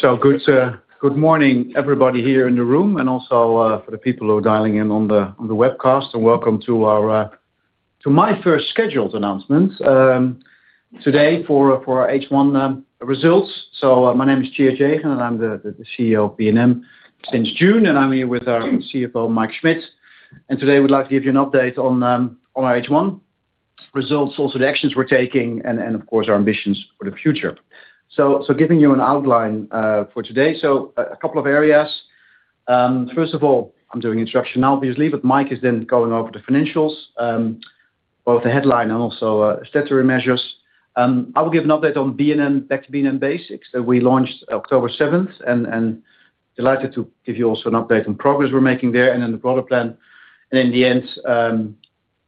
Good morning, everybody here in the room, and also for the people who are dialing in on the webcast. Welcome to my first scheduled announcement today for our H1 results. My name is Tjeerd Jegen, and I am the CEO of B&M since June. I am here with our CFO, Mike Schmidt. Today, we would like to give you an update on our H1 results, also the actions we are taking, and of course, our ambitions for the future. Giving you an outline for today, a couple of areas. First of all, I am doing introduction now, obviously, but Mike is then going over the financials, both the headline and also statutory measures. I will give an update on B&M, Back to B&M Basics, that we launched October 7, and delighted to give you also an update on progress we are making there, and then the broader plan. In the end,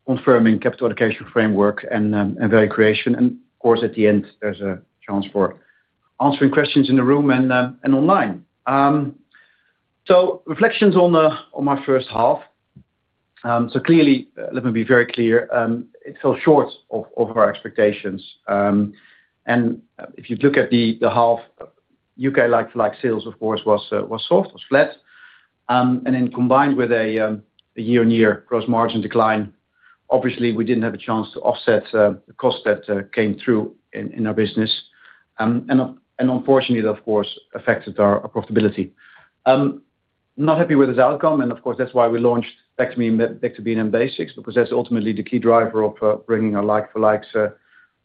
confirming capital allocation framework and value creation. Of course, at the end, there's a chance for answering questions in the room and online. Reflections on my first half. Clearly, let me be very clear, it fell short of our expectations. If you look at the half, U.K.-like sales, of course, were soft, were flat. Then combined with a year-on-year gross margin decline, obviously, we did not have a chance to offset the cost that came through in our business. Unfortunately, that, of course, affected our profitability. Not happy with this outcome. Of course, that is why we launched Back to B&M Basics, because that is ultimately the key driver of bringing our like-for-likes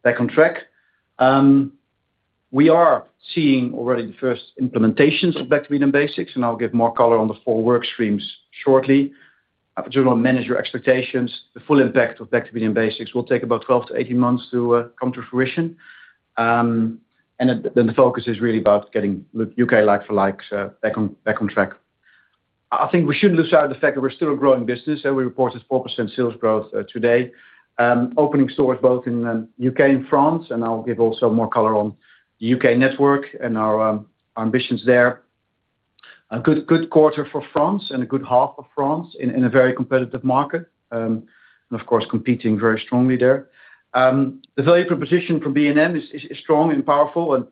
back on track. We are seeing already the first implementations of Back to B&M Basics, and I will give more color on the four work streams shortly. To manage your expectations, the full impact of Back to B&M Basics will take about 12-18 months to come to fruition. The focus is really about getting U.K. like-for-likes back on track. I think we should not lose sight of the fact that we are still a growing business, and we reported 4% sales growth today. Opening stores both in the U.K. and France, and I will give also more color on the U.K. network and our ambitions there. A good quarter for France and a good half for France in a very competitive market, and of course, competing very strongly there. The value proposition for B&M is strong and powerful.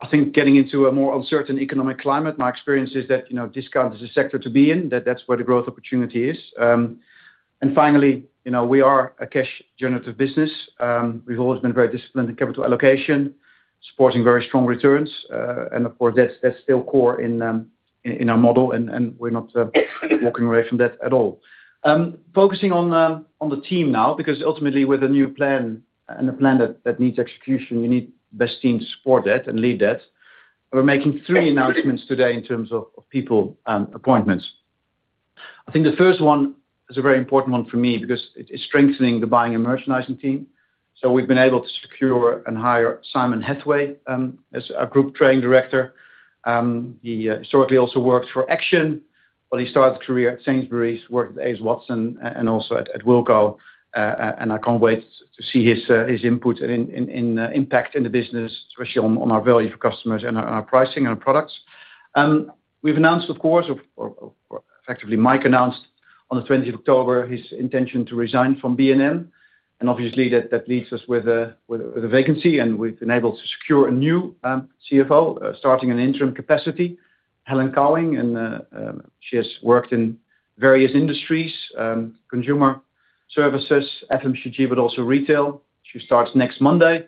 I think getting into a more uncertain economic climate, my experience is that discount is a sector to be in, that is where the growth opportunity is. Finally, we are a cash-generative business. We've always been very disciplined in capital allocation, supporting very strong returns. That is still core in our model, and we're not walking away from that at all. Focusing on the team now, because ultimately, with a new plan and a plan that needs execution, you need the best team to support that and lead that. We're making three announcements today in terms of people appointments. I think the first one is a very important one for me because it's strengthening the buying and merchandising team. We've been able to secure and hire Simon Hathaway as our Group Trading Director. He historically also worked for Action, but he started a career at Sainsbury's, worked at Watson, and also at Wilko. I can't wait to see his input and impact in the business, especially on our value for customers and our pricing and our products. We've announced, of course, or effectively, Mike announced on the 20th of October his intention to resign from B&M. Obviously, that leaves us with a vacancy, and we've been able to secure a new CFO, starting in an interim capacity, Helen Cowing. She has worked in various industries, consumer services, FMCG, but also retail. She starts next Monday,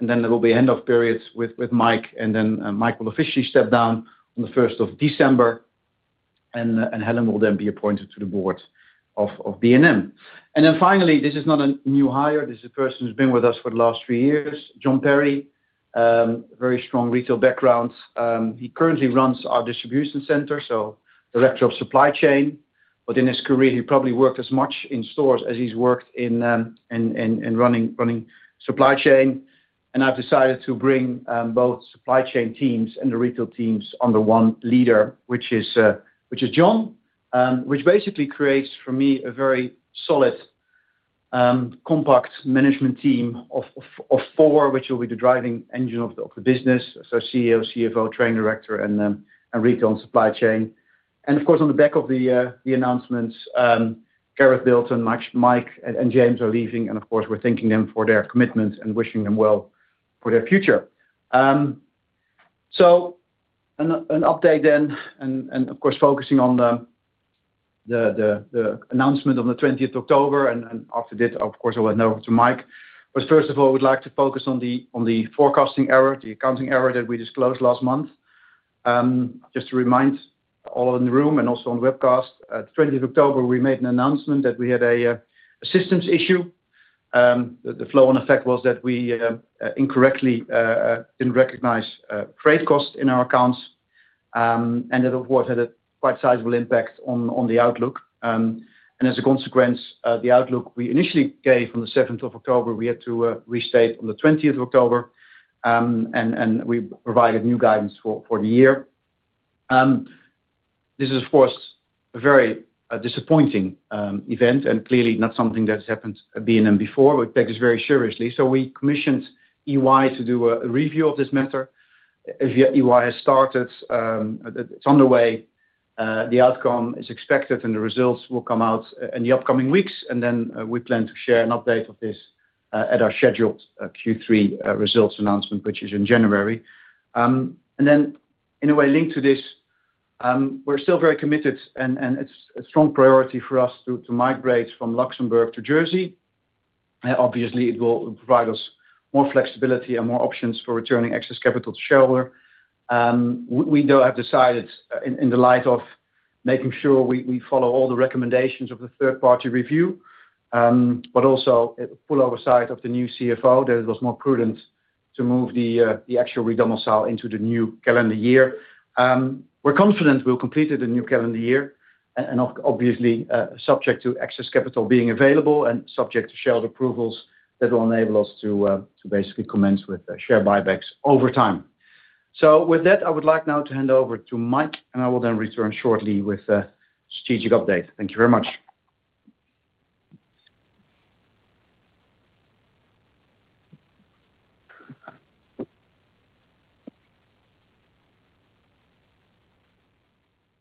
and there will be a handoff period with Mike. Mike will officially step down on the 1st of December, and Helen will then be appointed to the board of B&M. Finally, this is not a new hire. This is a person who's been with us for the last three years, John Parry, very strong retail background. He currently runs our distribution center, so Director of Supply Chain. In his career, he probably worked as much in stores as he's worked in running supply chain. I've decided to bring both supply chain teams and the retail teams under one leader, which is John, which basically creates for me a very solid, compact management team of four, which will be the driving engine of the business: CEO, CFO, trading director, and retail and supply chain. Of course, on the back of the announcements, Gareth Bilton, Mike, and James are leaving. Of course, we're thanking them for their commitment and wishing them well for their future. An update then, and of course, focusing on the announcement on the 20th of October. After this, of course, I'll hand over to Mike. First of all, we'd like to focus on the forecasting error, the accounting error that we disclosed last month. Just to remind all in the room and also on the webcast, on the 20th of October, we made an announcement that we had a systems issue. The flow-on effect was that we incorrectly did not recognize freight costs in our accounts, and that, of course, had a quite sizable impact on the outlook. As a consequence, the outlook we initially gave on the 7th of October, we had to restate on the 20th of October, and we provided new guidance for the year. This is, of course, a very disappointing event and clearly not something that has happened at B&M before. We take this very seriously. We commissioned EY to do a review of this matter. EY has started. It is underway. The outcome is expected, and the results will come out in the upcoming weeks. We plan to share an update of this at our scheduled Q3 results announcement, which is in January. In a way, linked to this, we are still very committed, and it is a strong priority for us to migrate from Luxembourg to Jersey. Obviously, it will provide us more flexibility and more options for returning excess capital to shareholders. We have decided, in the light of making sure we follow all the recommendations of the third-party review, but also full oversight of the new CFO, that it was more prudent to move the actual redouble sale into the new calendar year. We are confident we will complete it in the new calendar year, and obviously, subject to excess capital being available and subject to shareholder approvals, that will enable us to basically commence with share buybacks over time. With that, I would like now to hand over to Mike, and I will then return shortly with a strategic update. Thank you very much.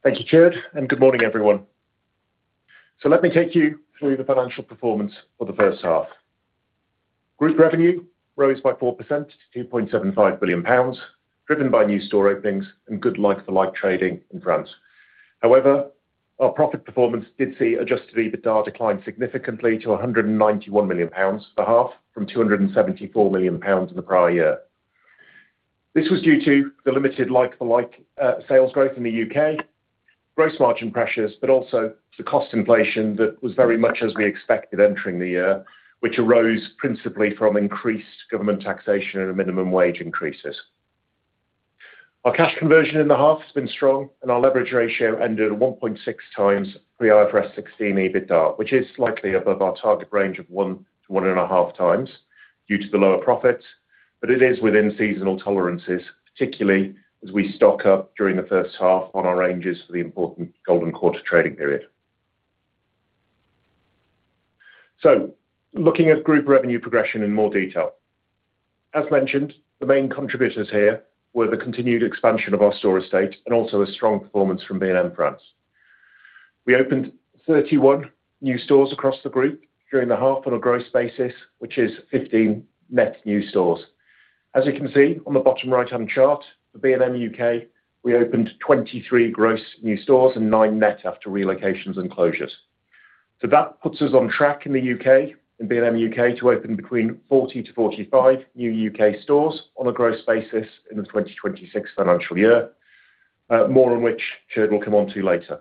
Thank you, Tjeerd, and good morning, everyone. Let me take you through the financial performance for the first half. Group revenue rose by 4% to 2.75 billion pounds, driven by new store openings and good like-for-like trading in France. However, our profit performance did see Adjusted EBITDA decline significantly to 191 million pounds for the half from 274 million pounds in the prior year. This was due to the limited like-for-like sales growth in the U.K., gross margin pressures, but also the cost inflation that was very much as we expected entering the year, which arose principally from increased government taxation and minimum wage increases. Our cash conversion in the half has been strong, and our leverage ratio ended at 1.6x pre-IFRS 16 EBITDA, which is slightly above our target range of 1x, 1.5x due to the lower profits. It is within seasonal tolerances, particularly as we stock up during the first half on our ranges for the important Golden Quarter trading period. Looking at group revenue progression in more detail, as mentioned, the main contributors here were the continued expansion of our store estate and also a strong performance from B&M France. We opened 31 new stores across the group during the half on a gross basis, which is 15 net new stores. As you can see on the bottom right-hand chart for B&M U.K., we opened 23 gross new stores and 9 net after relocations and closures. That puts us on track in the U.K., in B&M U.K., to open between 40-45 new U.K. stores on a gross basis in the 2026 financial year, more on which Tjeerd will come on to later.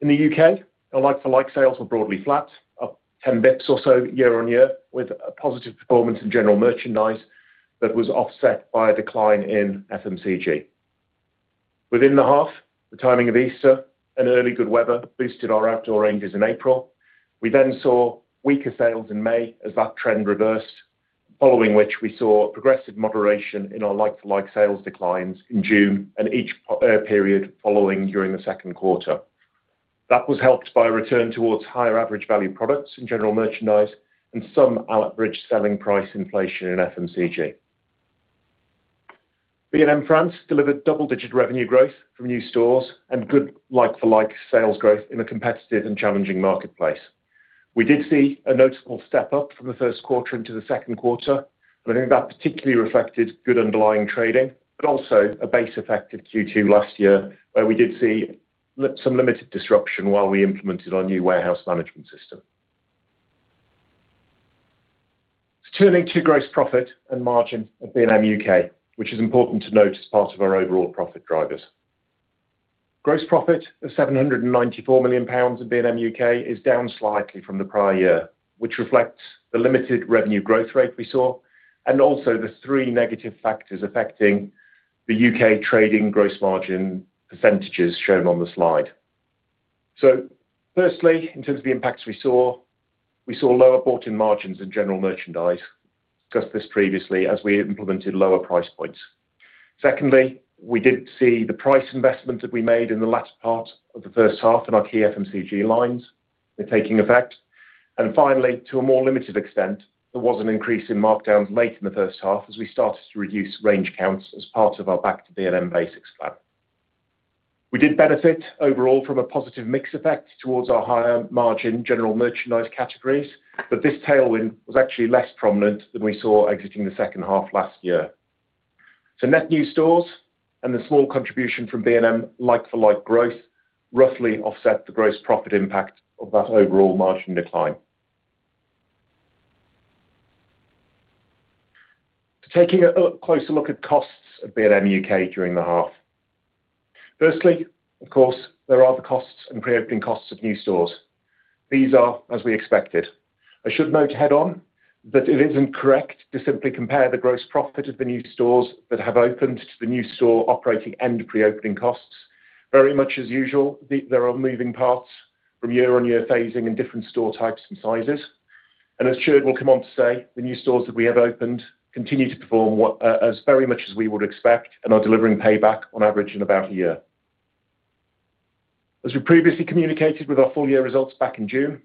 In the U.K., our like-for-like sales were broadly flat, up 10 basis points or so year on year, with a positive performance in general merchandise that was offset by a decline in FMCG. Within the half, the timing of Easter and early good weather boosted our outdoor ranges in April. We then saw weaker sales in May as that trend reversed, following which we saw progressive moderation in our like-for-like sales declines in June and each period following during the second quarter. That was helped by a return towards higher average value products in general merchandise and some out-of-bridge selling price inflation in FMCG. B&M France delivered double-digit revenue growth from new stores and good like-for-like sales growth in a competitive and challenging marketplace. We did see a notable step up from the first quarter into the second quarter. I think that particularly reflected good underlying trading, but also a base-effective Q2 last year, where we did see some limited disruption while we implemented our new warehouse management system. Turning to gross profit and margin at B&M U.K., which is important to note as part of our overall profit drivers. Gross profit of 794 million pounds at B&M U.K. is down slightly from the prior year, which reflects the limited revenue growth rate we saw and also the three negative factors affecting the U.K. trading gross margin percentages shown on the slide. Firstly, in terms of the impacts we saw, we saw lower bought-in margins in general merchandise. Discussed this previously as we implemented lower price points. Secondly, we did see the price investment that we made in the latter part of the first half in our key FMCG lines taking effect. Finally, to a more limited extent, there was an increase in markdowns late in the first half as we started to reduce range counts as part of our Back to B&M Basics plan. We did benefit overall from a positive mix effect towards our higher margin general merchandise categories, but this tailwind was actually less prominent than we saw exiting the second half last year. Net new stores and the small contribution from B&M like-for-like growth roughly offset the gross profit impact of that overall margin decline. Taking a closer look at costs of B&M U.K. during the half. Firstly, of course, there are the costs and pre-opening costs of new stores. These are, as we expected. I should note head-on that it is not correct to simply compare the gross profit of the new stores that have opened to the new store operating and pre-opening costs. Very much as usual, there are moving parts from year-on-year phasing in different store types and sizes. As Tjeerd will come on to say, the new stores that we have opened continue to perform as very much as we would expect and are delivering payback on average in about a year. As we previously communicated with our full-year results back in June,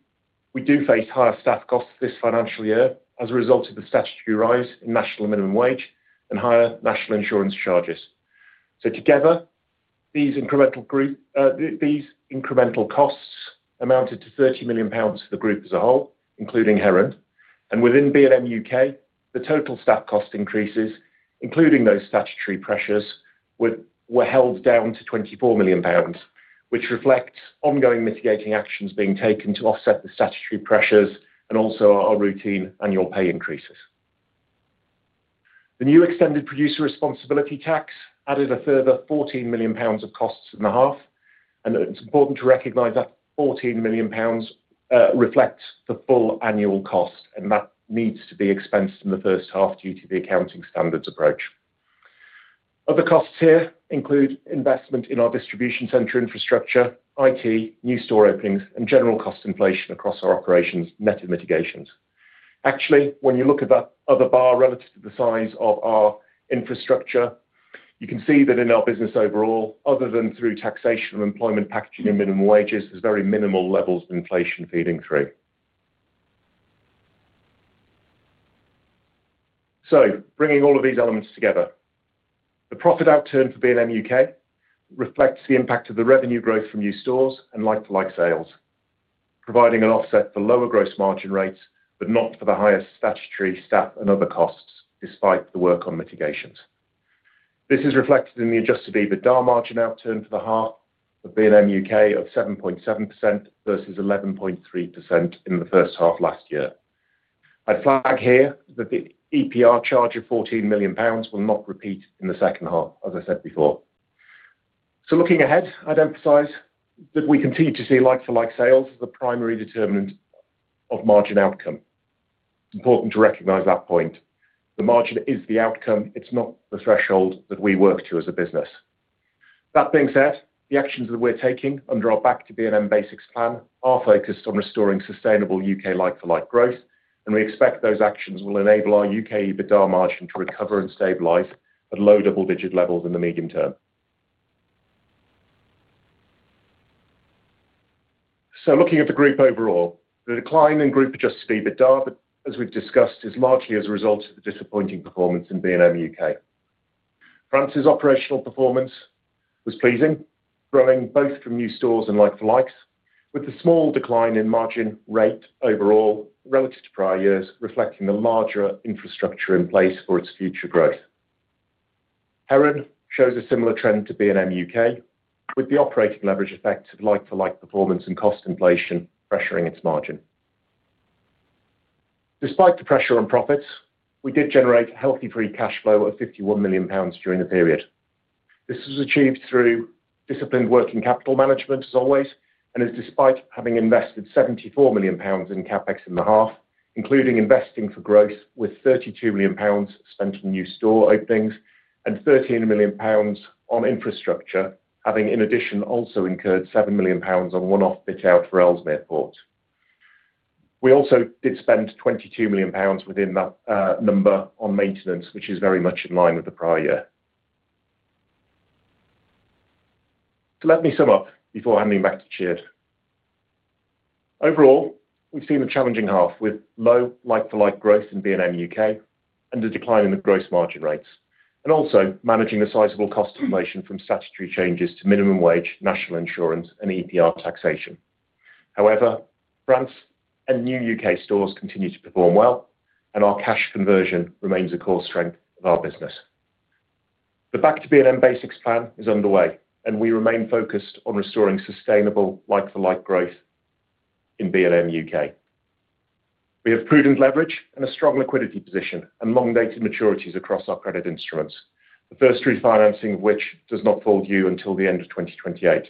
we do face higher staff costs this financial year as a result of the statutory rise in national minimum wage and higher national insurance charges. Together, these incremental costs amounted to 30 million pounds for the group as a whole, including Heron. Within B&M U.K., the total staff cost increases, including those statutory pressures, were held down to 24 million pounds, which reflects ongoing mitigating actions being taken to offset the statutory pressures and also our routine annual pay increases. The new Extended Producer Responsibility tax added a further 14 million pounds of costs in the half. It is important to recognize that 14 million pounds reflects the full annual cost, and that needs to be expensed in the first half due to the accounting standards approach. Other costs here include investment in our distribution center infrastructure, IT, new store openings, and general cost inflation across our operations, net and mitigations. Actually, when you look at that other bar relative to the size of our infrastructure, you can see that in our business overall, other than through taxation and employment packaging and minimum wages, there is very minimal levels of inflation feeding through. Bringing all of these elements together, the profit outturn for B&M U.K. reflects the impact of the revenue growth from new stores and like-for-like sales, providing an offset for lower gross margin rates, but not for the higher statutory staff and other costs despite the work on mitigations. This is reflected in the adjusted EBITDA margin outturn for the 1/2 of B&M U.K. of 7.7% versus 11.3% in the first half last year. I'd flag here that the EPR charge of 14 million pounds will not repeat in the second half, as I said before. Looking ahead, I'd emphasize that we continue to see like-for-like sales as the primary determinant of margin outcome. It's important to recognize that point. The margin is the outcome. It's not the threshold that we work to as a business. That being said, the actions that we're taking under our Back to B&M Basics plan are focused on restoring sustainable U.K. like-for-like growth, and we expect those actions will enable our U.K. EBITDA margin to recover and stabilize at low double-digit levels in the medium term. Looking at the group overall, the decline in group Adjusted EBITDA, as we've discussed, is largely as a result of the disappointing performance in B&M U.K. France's operational performance was pleasing, growing both from new stores and like-for-likes, with the small decline in margin rate overall relative to prior years reflecting the larger infrastructure in place for its future growth. Heron shows a similar trend to B&M U.K., with the operating leverage effect of like-for-like performance and cost inflation pressuring its margin. Despite the pressure on profits, we did generate a healthy free cash flow of 51 million pounds during the period. This was achieved through disciplined working capital management, as always, and is despite having invested 74 million pounds in CapEx in the half, including investing for growth with 32 million pounds spent on new store openings and 13 million pounds on infrastructure, having in addition also incurred 7 million pounds on one-off bits out for Ellesmere Port. We also did spend 22 million pounds within that number on maintenance, which is very much in line with the prior year. Let me sum up before handing back to Tjeerd. Overall, we've seen a challenging half with low like-for-like growth in B&M U.K. and a decline in the gross margin rates, and also managing a sizable cost inflation from statutory changes to minimum wage, national insurance, and EPR taxation. However, France and new U.K. stores continue to perform well, and our cash conversion remains a core strength of our business. Back to B&M Basics plan is underway, and we remain focused on restoring sustainable like-for-like growth in B&M U.K. We have prudent leverage and a strong liquidity position and long-dated maturities across our credit instruments, the first refinancing of which does not fall due until the end of 2028.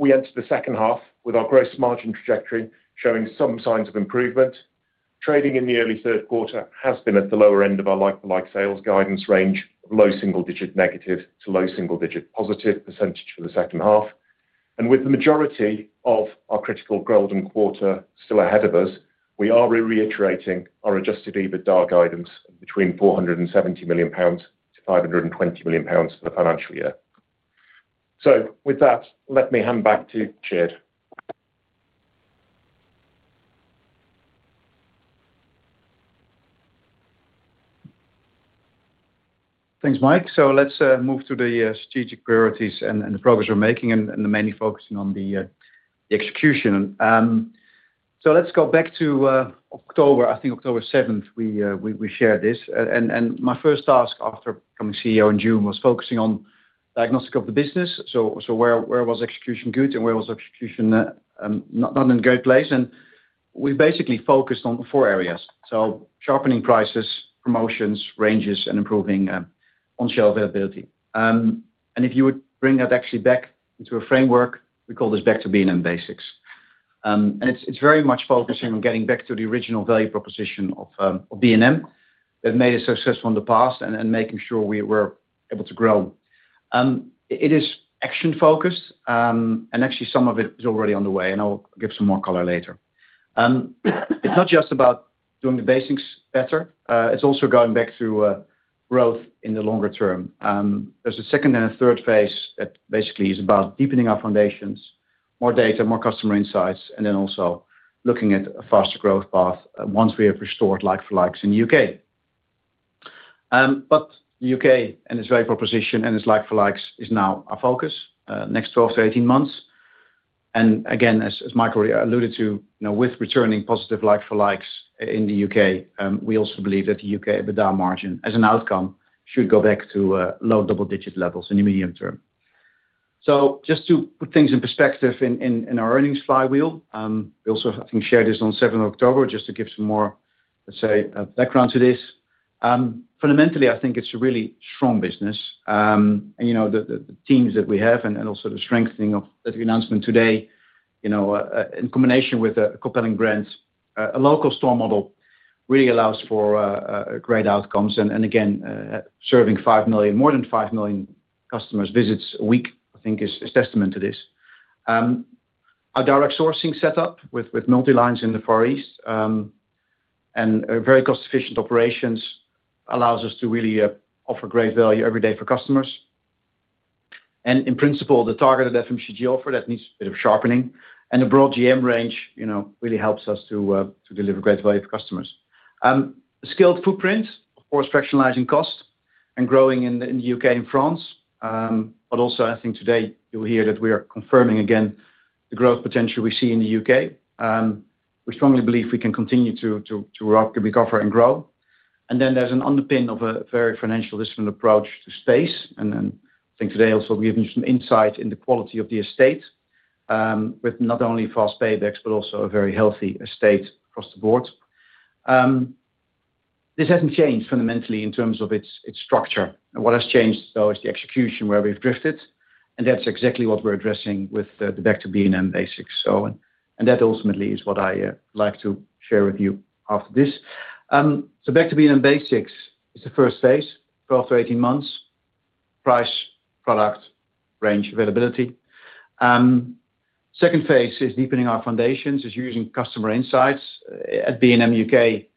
We enter the second half with our gross margin trajectory showing some signs of improvement. Trading in the early third quarter has been at the lower end of our like-for-like sales guidance range of low single-digit negative to low single-digit positive percentage for the second half. With the majority of our critical Golden Quarter still ahead of us, we are reiterating our Adjusted EBITDA guidance between 470 million-520 million pounds for the financial year. Let me hand back to Tjeerd. Thanks, Mike. Let's move to the strategic priorities and the progress we're making, mainly focusing on the execution. Back in October, I think October 7th, we shared this. My first task after becoming CEO in June was focusing on diagnostic of the business. Where was execution good and where was execution not in a good place? We basically focused on four areas: sharpening prices, promotions, ranges, and improving on-shelf availability. If you bring that actually back into a framework, we call this Back to B&M Basics. It is very much focusing on getting back to the original value proposition of B&M that made us successful in the past and making sure we were able to grow. It is action-focused, and actually some of it is already on the way, and I'll give some more color later. It's not just about doing the basics better. It's also going back to growth in the longer term. There's a second and a third phase that basically is about deepening our foundations, more data, more customer insights, and then also looking at a faster growth path once we have restored like-for-likes in the U.K. The U.K. and its value proposition and its like-for-likes is now our focus next 12 to 18 months. Again, as Michael alluded to, with returning positive like-for-likes in the U.K., we also believe that the U.K.`` EBITDA margin as an outcome should go back to low double-digit levels in the medium term. Just to put things in perspective in our earnings flywheel, we also, I think, shared this on 7th of October just to give some more, let's say, background to this. Fundamentally, I think it's a really strong business. The teams that we have and also the strengthening of the announcement today, in combination with a compelling grant, a local store model really allows for great outcomes. Again, serving 5 million, more than 5 million customers' visits a week, I think, is a testament to this. Our direct sourcing setup with multi-lines in the Far East and very cost-efficient operations allows us to really offer great value every day for customers. In principle, the targeted FMCG offer that needs a bit of sharpening and a broad GM range really helps us to deliver great value for customers. Skilled footprint, of course, fractionalizing cost and growing in the U.K. and France. I think today you'll hear that we are confirming again the growth potential we see in the U.K. We strongly believe we can continue to be covered and grow. There is an underpin of a very financial discipline approach to space. I think today also we have given you some insight in the quality of the estate with not only fast paybacks, but also a very healthy estate across the board. This has not changed fundamentally in terms of its structure. What has changed, though, is the execution where we have drifted. That is exactly what we are addressing with the Back to B&M Basics. That ultimately is what I would like to share with you after this. Back to B&M Basics is the first phase, 12-18 months, price, product, range, availability. The second phase is deepening our foundations, using customer insights. At B&M U.K.,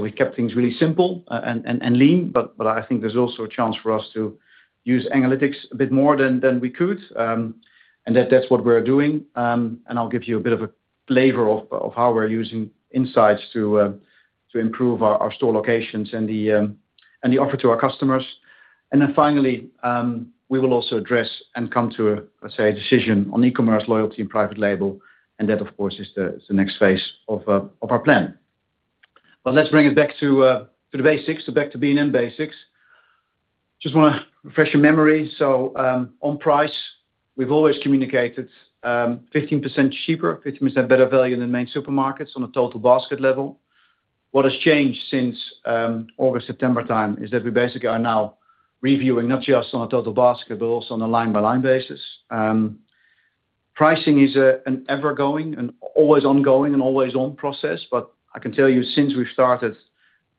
we have kept things really simple and lean, but I think there is also a chance for us to use analytics a bit more than we could. That is what we are doing. I'll give you a bit of a flavor of how we're using insights to improve our store locations and the offer to our customers. Finally, we will also address and come to a decision on e-commerce, loyalty, and private label. That, of course, is the next phase of our plan. Let's bring it back to the basics, to Back to B&M Basics. Just want to refresh your memory. On price, we've always communicated 15% cheaper, 15% better value than main supermarkets on a total basket level. What has changed since August, September time is that we basically are now reviewing not just on a total basket, but also on a line-by-line basis. Pricing is an ever-going and always-ongoing and always-on process. I can tell you since we've started,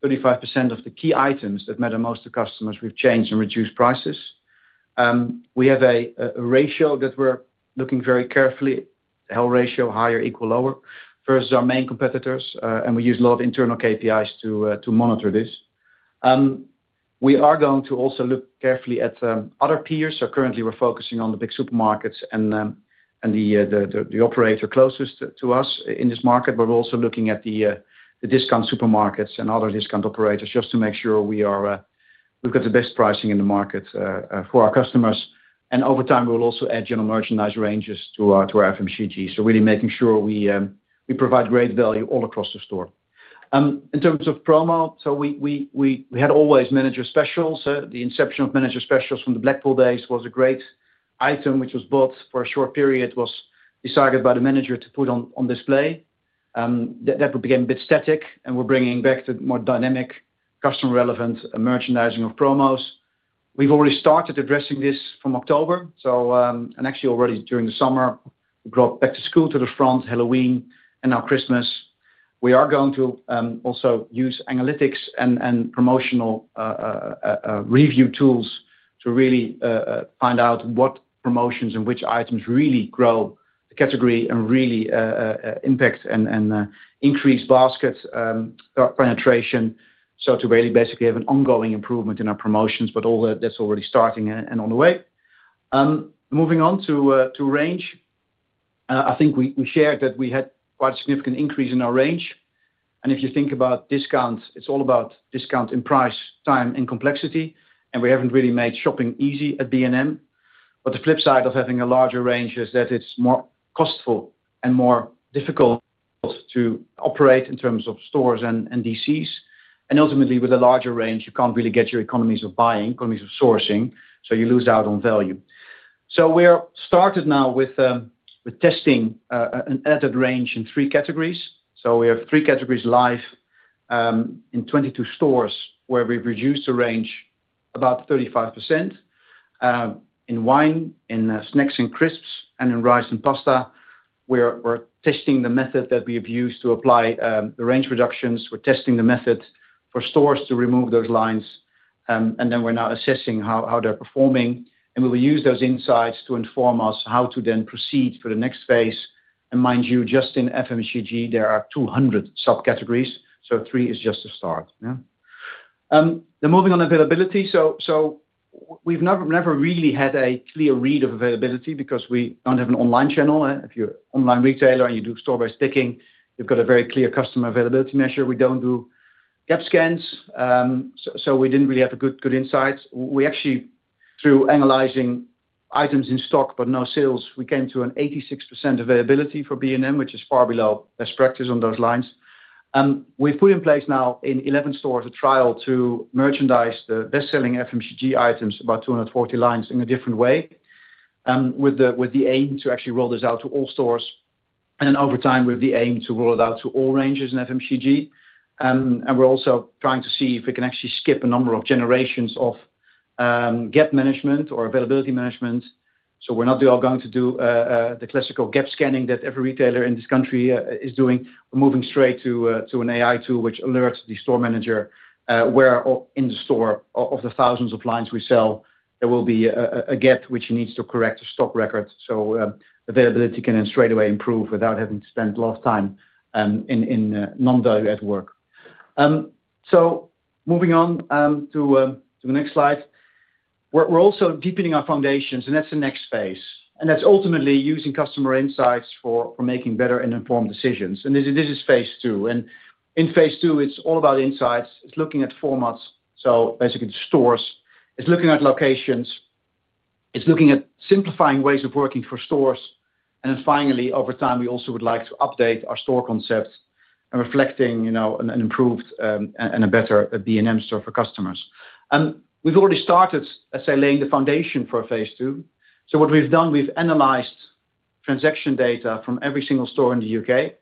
35% of the key items that matter most to customers we've changed and reduced prices. We have a ratio that we're looking very carefully, L ratio, higher, equal, lower versus our main competitors. We use a lot of internal KPIs to monitor this. We are going to also look carefully at other peers. Currently, we're focusing on the big supermarkets and the operator closest to us in this market. We are also looking at the discount supermarkets and other discount operators just to make sure we've got the best pricing in the market for our customers. Over time, we will also add general merchandise ranges to our FMCG. Really making sure we provide great value all across the store. In terms of promo, we had always manager specials. The inception of manager specials from the Blackpool days was a great item which was bought for a short period, was decided by the manager to put on display. That became a bit static, and we're bringing back the more dynamic, customer-relevant merchandising of promos. We've already started addressing this from October. Actually, already during the summer, we brought back to school to the front, Halloween, and now Christmas. We are going to also use analytics and promotional review tools to really find out what promotions and which items really grow the category and really impact and increase basket penetration. To really basically have an ongoing improvement in our promotions, but all that's already starting and on the way. Moving on to range, I think we shared that we had quite a significant increase in our range. If you think about discounts, it's all about discount in price, time, and complexity. We haven't really made shopping easy at B&M. The flip side of having a larger range is that it's more costly and more difficult to operate in terms of stores and DCs. Ultimately, with a larger range, you can't really get your economies of buying, economies of sourcing, so you lose out on value. We're started now with testing an edited range in three categories. We have three categories live in 22 stores where we've reduced the range about 35% in wine, in snacks and crisps, and in rice and pasta. We're testing the method that we have used to apply the range reductions. We're testing the method for stores to remove those lines. We're now assessing how they're performing. We will use those insights to inform us how to then proceed for the next phase. Mind you, just in FMCG, there are 200 subcategories. Three is just a start. Now, moving on, availability. We've never really had a clear read of availability because we do not have an online channel. If you're an online retailer and you do store-based picking, you've got a very clear customer availability measure. We do not do depth scans, so we did not really have good insights. We actually, through analyzing items in stock but no sales, came to an 86% availability for B&M, which is far below best practice on those lines. We've put in place now in 11 stores a trial to merchandise the best-selling FMCG items, about 240 lines, in a different way, with the aim to actually roll this out to all stores. Over time, we have the aim to roll it out to all ranges in FMCG. We're also trying to see if we can actually skip a number of generations of gap management or availability management. We are not going to do the classical gap scanning that every retailer in this country is doing. We are moving straight to an AI tool which alerts the store manager where in the store of the thousands of lines we sell, there will be a gap which he needs to correct the stock record. Availability can then straight away improve without having to spend a lot of time in non-value add work. Moving on to the next slide. We are also deepening our foundations, and that is the next phase. That is ultimately using customer insights for making better and informed decisions. This is phase two. In phase two, it is all about insights. It is looking at formats. Basically, the stores, it is looking at locations. It's looking at simplifying ways of working for stores. Finally, over time, we also would like to update our store concept and reflecting an improved and a better B&M store for customers. We've already started, let's say, laying the foundation for phase II. What we've done, we've analyzed transaction data from every single store in the U.K.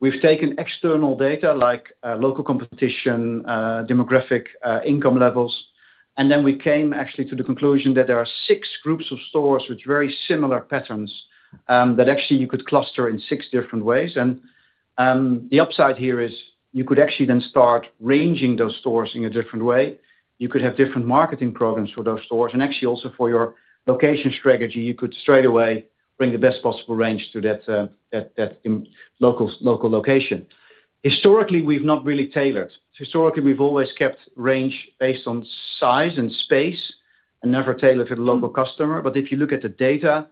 We've taken external data like local competition, demographic, income levels. We came actually to the conclusion that there are six groups of stores with very similar patterns that actually you could cluster in six different ways. The upside here is you could actually then start ranging those stores in a different way. You could have different marketing programs for those stores. Actually, also for your location strategy, you could straight away bring the best possible range to that local location. Historically, we've not really tailored. Historically, we've always kept range based on size and space and never tailored to the local customer. If you look at the data,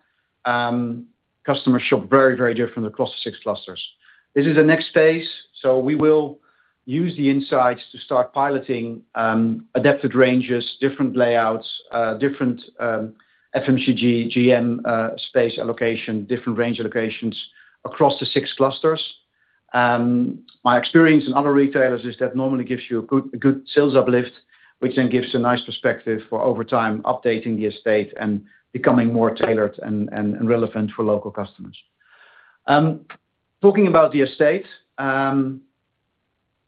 customers shop very, very different across the six clusters. This is the next phase. We will use the insights to start piloting adapted ranges, different layouts, different FMCG, GM space allocation, different range allocations across the six clusters. My experience in other retailers is that normally gives you a good sales uplift, which then gives a nice perspective for over time updating the estate and becoming more tailored and relevant for local customers. Talking about the estate,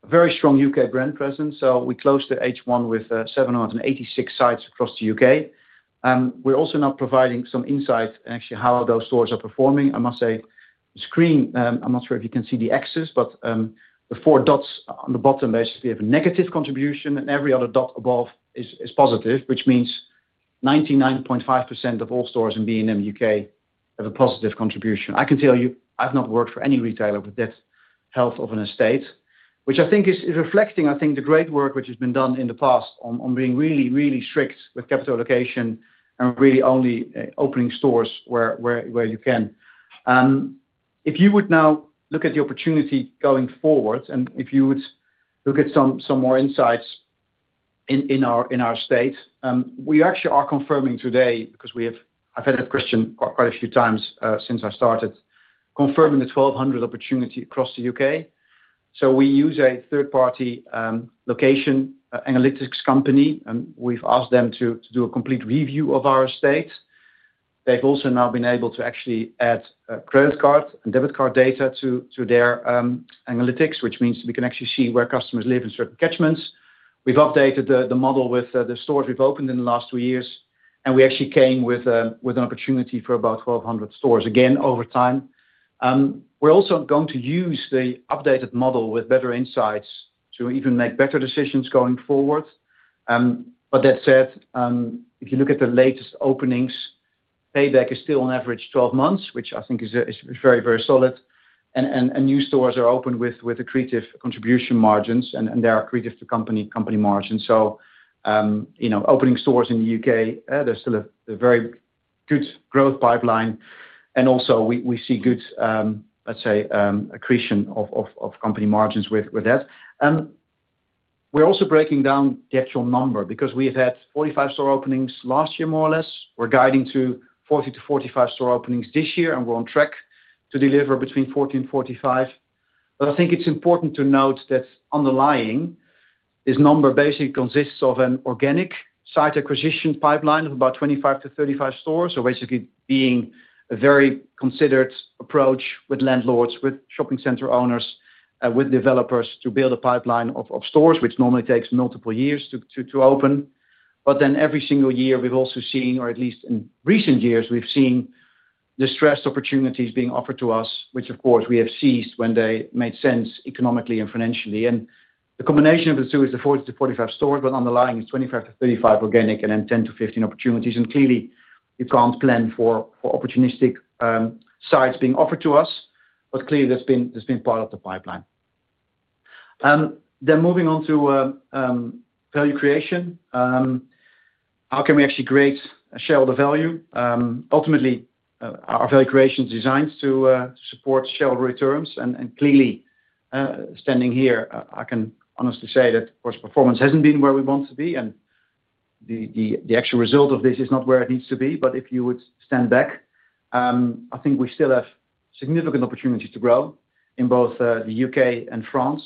very strong U.K. brand presence. We closed the H1 with 786 sites across the U.K. We are also now providing some insight actually how those stores are performing. I must say, the screen, I'm not sure if you can see the axis, but the four dots on the bottom basically have a negative contribution, and every other dot above is positive, which means 99.5% of all stores in B&M U.K. have a positive contribution. I can tell you, I've not worked for any retailer with that health of an estate, which I think is reflecting, I think, the great work which has been done in the past on being really, really strict with capital allocation and really only opening stores where you can. If you would now look at the opportunity going forward, and if you would look at some more insights in our estate, we actually are confirming today because I've had a question quite a few times since I started confirming the 1,200 opportunity across the U.K. We use a third-party location analytics company. We've asked them to do a complete review of our estate. They've also now been able to actually add credit card and debit card data to their analytics, which means we can actually see where customers live in certain catchments. We've updated the model with the stores we've opened in the last two years, and we actually came with an opportunity for about 1,200 stores again over time. We're also going to use the updated model with better insights to even make better decisions going forward. That said, if you look at the latest openings, payback is still on average 12 months, which I think is very, very solid. New stores are open with accretive contribution margins, and they're accretive to company margins. Opening stores in the U.K., there's still a very good growth pipeline. We see good, let's say, accretion of company margins with that. We are also breaking down the actual number because we have had 45 store openings last year, more or less. We are guiding to 40 to 45 store openings this year, and we are on track to deliver between 40 and 45. I think it is important to note that underlying this number basically consists of an organic site acquisition pipeline of about 25 to 35 stores. Basically, being a very considered approach with landlords, with shopping center owners, with developers to build a pipeline of stores, which normally takes multiple years to open. Every single year, we have also seen, or at least in recent years, we have seen distressed opportunities being offered to us, which of course we have seized when they made sense economically and financially. The combination of the two is the 40 to 45 stores, but underlying is 25 to 35 organic and then 10 to 15 opportunities. Clearly, you cannot plan for opportunistic sites being offered to us, but clearly that has been part of the pipeline. Moving on to value creation, how can we actually create shareholder value? Ultimately, our value creation is designed to support shareholder returns. Clearly, standing here, I can honestly say that, of course, performance has not been where we want to be, and the actual result of this is not where it needs to be. If you would stand back, I think we still have significant opportunities to grow in both the U.K. and France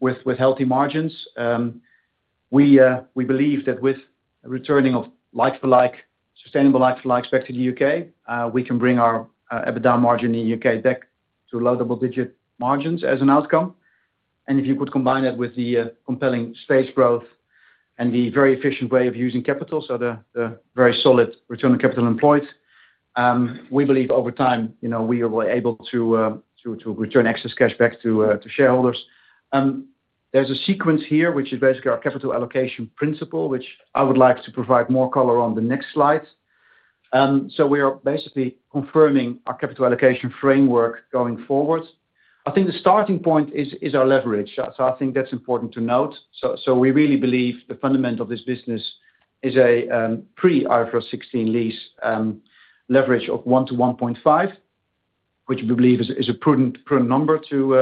with healthy margins. We believe that with returning of like-for-like, sustainable like-for-likes back to the U.K., we can bring our EBITDA margin in the U.K. back to low double-digit margins as an outcome. If you could combine that with the compelling stage growth and the very efficient way of using capital, so the very solid return on capital employed, we believe over time we will be able to return excess cash back to shareholders. There is a sequence here, which is basically our capital allocation principle, which I would like to provide more color on the next slide. We are basically confirming our capital allocation framework going forward. I think the starting point is our leverage. I think that is important to note. We really believe the fundamental of this business is a pre-IFRS 16 lease leverage of 1x to 1.5x, which we believe is a prudent number to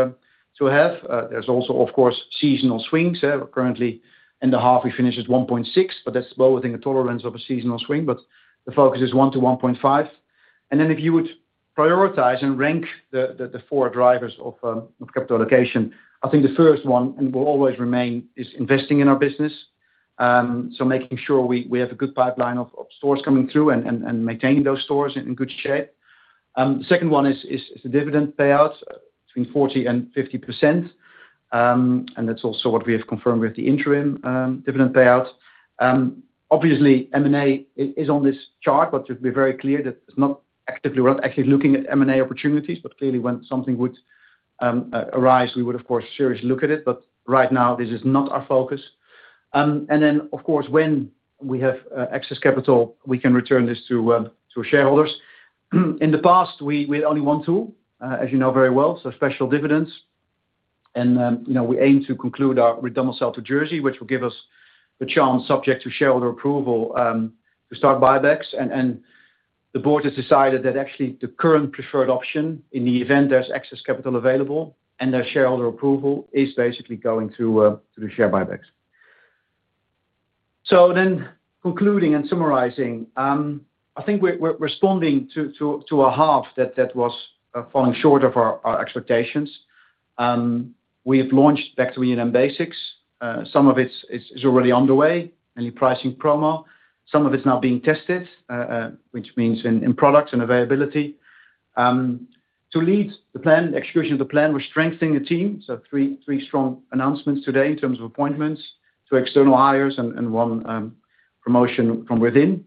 have. There's also, of course, seasonal swings. Currently, in the half, we finished at 1.6x, but that's both in the tolerance of a seasonal swing, but the focus is 1x to 1.5x. If you would prioritize and rank the four drivers of capital allocation, I think the first one, and will always remain, is investing in our business. Making sure we have a good pipeline of stores coming through and maintaining those stores in good shape. The second one is the dividend payout between 40% and 50%. That's also what we have confirmed with the interim dividend payout. Obviously, M&A is on this chart, but to be very clear, we're not actually looking at M&A opportunities, but clearly when something would arise, we would, of course, seriously look at it. Right now, this is not our focus. Of course, when we have excess capital, we can return this to shareholders. In the past, we had only one tool, as you know very well, special dividends. We aim to conclude our redomicile to Jersey, which will give us the chance, subject to shareholder approval, to start buybacks. The board has decided that actually the current preferred option, in the event there is excess capital available and there is shareholder approval, is basically going through the share buybacks. Concluding and summarizing, I think we are responding to a half that was falling short of our expectations. We have launched Back to B&M Basics. Some of it is already underway, mainly pricing promo. Some of it is now being tested, which means in products and availability. To lead the plan, execution of the plan, we are strengthening the team. Three strong announcements today in terms of appointments: two external hires and one promotion from within.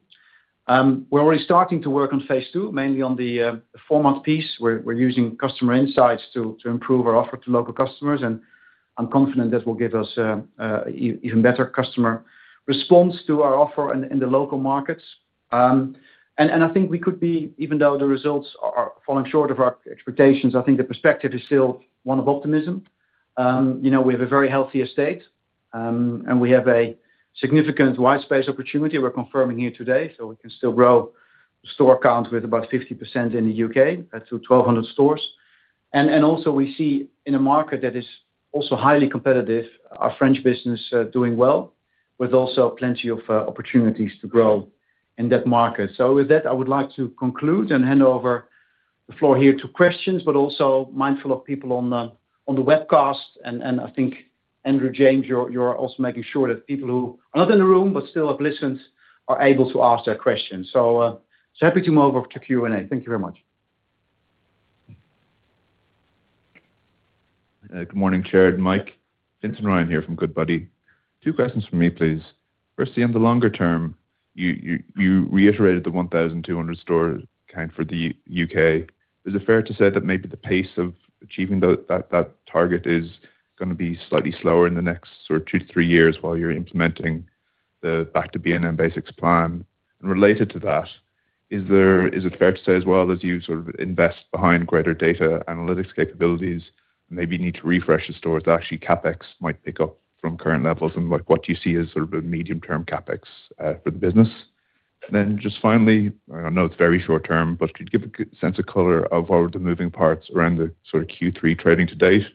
We're already starting to work on phase II, mainly on the format piece. We're using customer insights to improve our offer to local customers. I'm confident that will give us an even better customer response to our offer in the local markets. I think we could be, even though the results are falling short of our expectations, I think the perspective is still one of optimism. We have a very healthy estate, and we have a significant widespread opportunity we're confirming here today. We can still grow the store count by about 50% in the U.K. to 1,200 stores. Also, we see in a market that is also highly competitive, our French business doing well with also plenty of opportunities to grow in that market. With that, I would like to conclude and hand over the floor here to questions, but also mindful of people on the webcast. I think, Andrew James, you're also making sure that people who are not in the room but still have listened are able to ask their questions. Happy to move over to Q&A. Thank you very much. Good morning, Tjeerd, Mike, Fintan Ryan here from Goodbody. Two questions for me, please. Firstly, in the longer term, you reiterated the 1,200 store count for the U.K. Is it fair to say that maybe the pace of achieving that target is going to be slightly slower in the next sort of two to three years while you're implementing the Back to B&M Basics plan? Related to that, is it fair to say as well as you sort of invest behind greater data analytics capabilities, maybe need to refresh the stores that actually CapEx might pick up from current levels and what you see as sort of a medium-term CapEx for the business? Just finally, I know it is very short term, but could you give a sense of color of what were the moving parts around the sort of Q3 trading to date,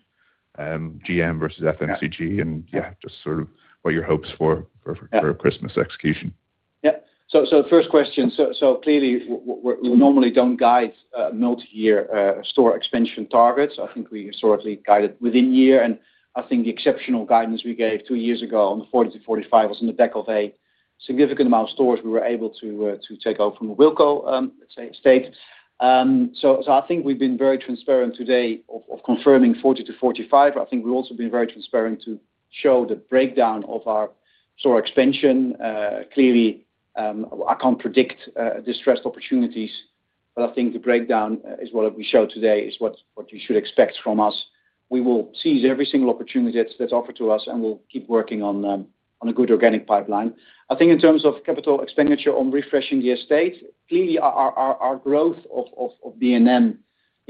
GM versus FMCG, and yeah, just sort of what your hopes for Christmas execution? Yeah. The first question, clearly, we normally do not guide multi-year store expansion targets. I think we historically guided within year. I think the exceptional guidance we gave two years ago on the 40 to 45 was in the deck of a significant amount of stores we were able to take over from a Wilko estate. I think we have been very transparent today of confirming 40 to 45. I think we have also been very transparent to show the breakdown of our store expansion. Clearly, I cannot predict distressed opportunities, but I think the breakdown is what we showed today is what you should expect from us. We will seize every single opportunity that is offered to us, and we will keep working on a good organic pipeline. I think in terms of capital expenditure on refreshing the estate, clearly our growth of B&M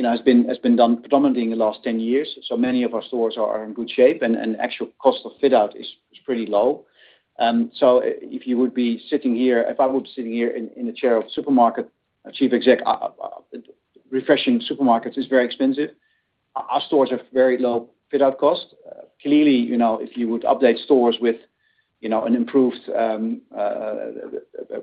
has been done predominantly in the last 10 years. Many of our stores are in good shape, and actual cost of fit-out is pretty low. If you would be sitting here, if I would be sitting here in the chair of supermarket chief exec, refreshing supermarkets is very expensive. Our stores have very low fit-out cost. Clearly, if you would update stores with an improved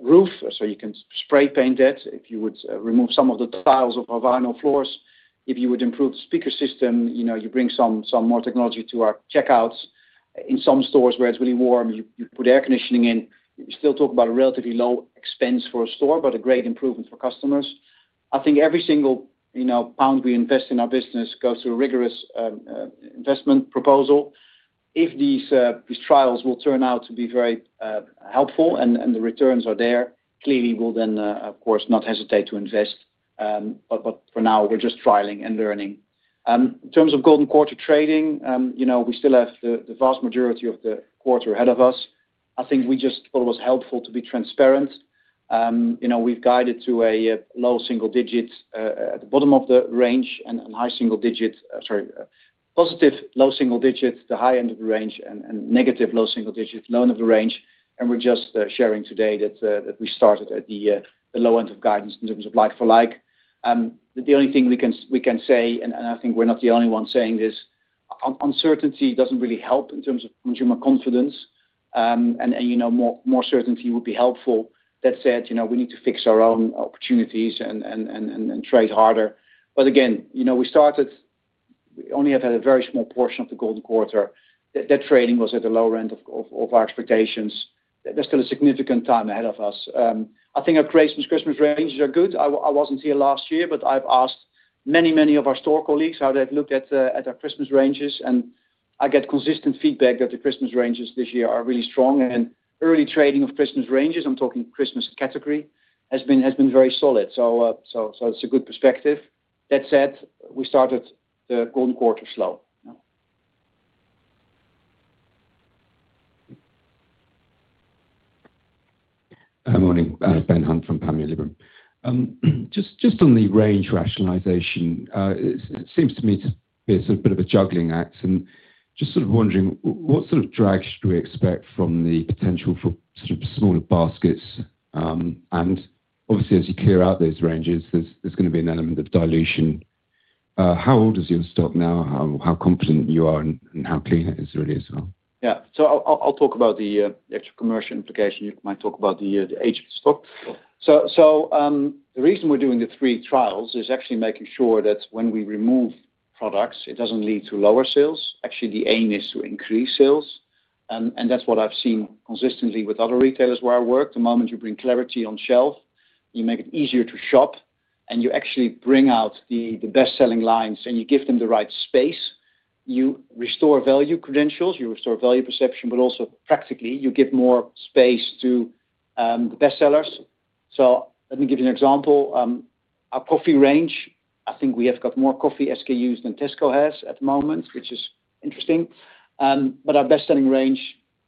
roof, so you can spray paint it. If you would remove some of the tiles of our vinyl floors, if you would improve the speaker system, you bring some more technology to our checkouts. In some stores where it is really warm, you put air conditioning in. You still talk about a relatively low expense for a store, but a great improvement for customers. I think every single pound we invest in our business goes through a rigorous investment proposal. If these trials will turn out to be very helpful and the returns are there, clearly we will then, of course, not hesitate to invest. For now, we're just trialing and learning. In terms of golden quarter trading, we still have the vast majority of the quarter ahead of us. I think we just thought it was helpful to be transparent. We've guided to a low single digit at the bottom of the range and high single digit, sorry, positive low single digit at the high end of the range and negative low single digit low end of the range. We're just sharing today that we started at the low end of guidance in terms of like-for-like. The only thing we can say, and I think we're not the only one saying this, uncertainty doesn't really help in terms of consumer confidence. More certainty would be helpful. That said, we need to fix our own opportunities and trade harder. Again, we started, we only have had a very small portion of the golden quarter. That trading was at the low end of our expectations. There is still a significant time ahead of us. I think our Christmas ranges are good. I was not here last year, but I have asked many, many of our store colleagues how they have looked at our Christmas ranges. I get consistent feedback that the Christmas ranges this year are really strong. Early trading of Christmas ranges, I am talking Christmas category, has been very solid. It is a good perspective. That said, we started the golden quarter slow. Good morning, Ben Hunt from Peel Hunt. Just on the range rationalization, it seems to me to be a bit of a juggling act. I am just sort of wondering, what sort of drag should we expect from the potential for sort of smaller baskets? Obviously, as you clear out those ranges, there's going to be an element of dilution. How old is your stock now? How confident you are and how clean it is really as well? Yeah. I'll talk about the actual commercial implication. You might talk about the age of the stock. The reason we're doing the three trials is actually making sure that when we remove products, it doesn't lead to lower sales. Actually, the aim is to increase sales. That's what I've seen consistently with other retailers where I work. The moment you bring clarity on shelf, you make it easier to shop, and you actually bring out the best-selling lines and you give them the right space. You restore value credentials. You restore value perception, but also practically, you give more space to the best sellers. Let me give you an example. Our coffee range, I think we have got more coffee SKUs than Tesco has at the moment, which is interesting. Our best-selling range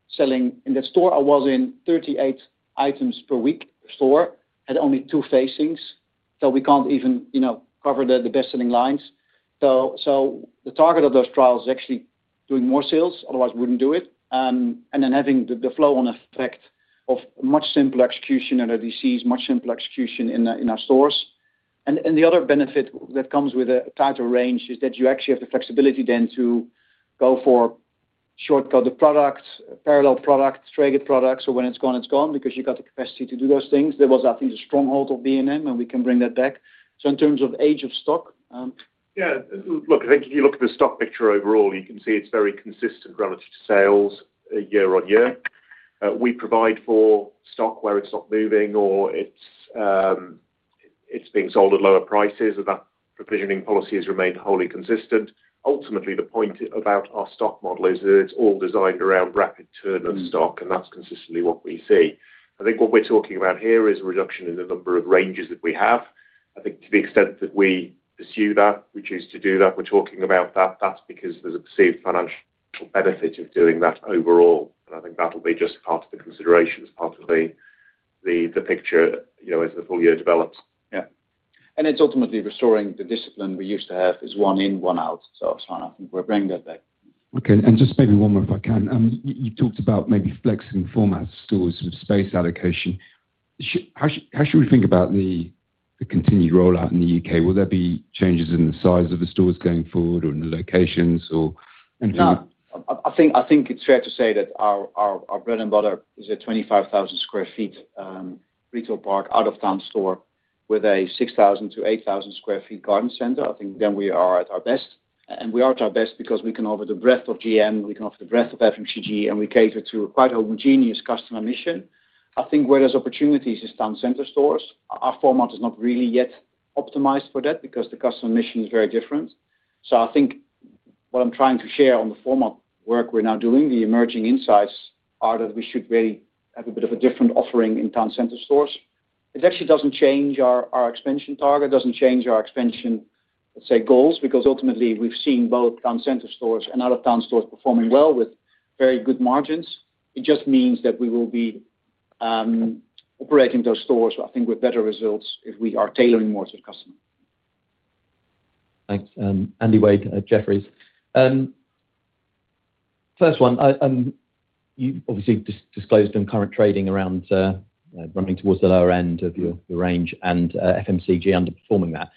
selling in the store I was in, 38 items per week per store, had only two facings. We cannot even cover the best-selling lines. The target of those trials is actually doing more sales. Otherwise, we would not do it. Having the flow-on effect of much simpler execution and, as it is, much simpler execution in our stores. The other benefit that comes with a tighter range is that you actually have the flexibility then to go for short-coded products, parallel products, traded products. When it is gone, it is gone because you have the capacity to do those things. There was, I think, a stronghold of B&M, and we can bring that back. In terms of age of stock. Yeah. Look, I think if you look at the stock picture overall, you can see it's very consistent relative to sales year-on-year. We provide for stock where it's not moving or it's being sold at lower prices, and that provisioning policy has remained wholly consistent. Ultimately, the point about our stock model is that it's all designed around rapid turn of stock, and that's consistently what we see. I think what we're talking about here is a reduction in the number of ranges that we have. I think to the extent that we pursue that, we choose to do that, we're talking about that. That's because there's a perceived financial benefit of doing that overall. I think that'll be just part of the considerations, part of the picture as the full year develops. Yeah. It is ultimately restoring the discipline we used to have as one in, one out. I think we are bringing that back. Okay. Just maybe one more if I can. You talked about maybe flexing formats, stores, space allocation. How should we think about the continued rollout in the U.K.? Will there be changes in the size of the stores going forward or in the locations? If you do, I think it is fair to say that our bread and butter is a 25,000 sq ft retail park, out-of-town store with a 6,000-8,000 sq ft garden center. I think then we are at our best. We are at our best because we can offer the breadth of GM, we can offer the breadth of FMCG, and we cater to quite a homogeneous customer mission. I think where there are opportunities is town center stores. Our format is not really yet optimized for that because the customer mission is very different. I think what I'm trying to share on the format work we're now doing, the emerging insights are that we should really have a bit of a different offering in town center stores. It actually does not change our expansion target, does not change our expansion, let's say, goals, because ultimately we've seen both town center stores and out-of-town stores performing well with very good margins. It just means that we will be operating those stores, I think, with better results if we are tailoring more to the customer. Thanks. Andy Wade, Jefferies. First one, you obviously disclosed on current trading around running towards the lower end of your range and FMCG underperforming that.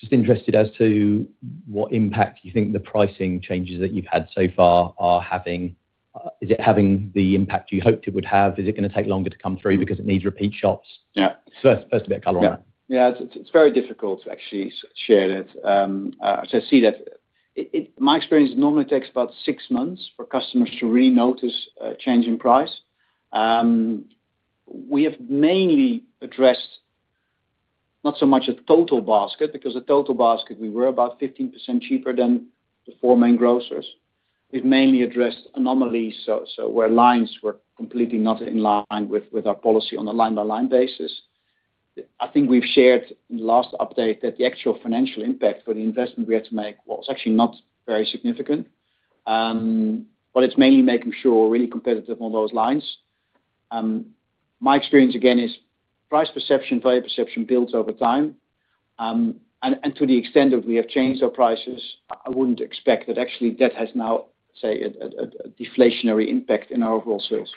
Just interested as to what impact you think the pricing changes that you've had so far are having. Is it having the impact you hoped it would have? Is it going to take longer to come through because it needs repeat shops? First, a bit of color on that. Yeah. It's very difficult to actually share that. I see that my experience normally takes about six months for customers to really notice a change in price. We have mainly addressed not so much a total basket because a total basket, we were about 15% cheaper than the four main grocers. We've mainly addressed anomalies, so where lines were completely not in line with our policy on a line-by-line basis. I think we've shared in the last update that the actual financial impact for the investment we had to make was actually not very significant. But it's mainly making sure we're really competitive on those lines. My experience, again, is price perception, value perception builds over time. To the extent that we have changed our prices, I would not expect that actually that has now, say, a deflationary impact in our overall sales.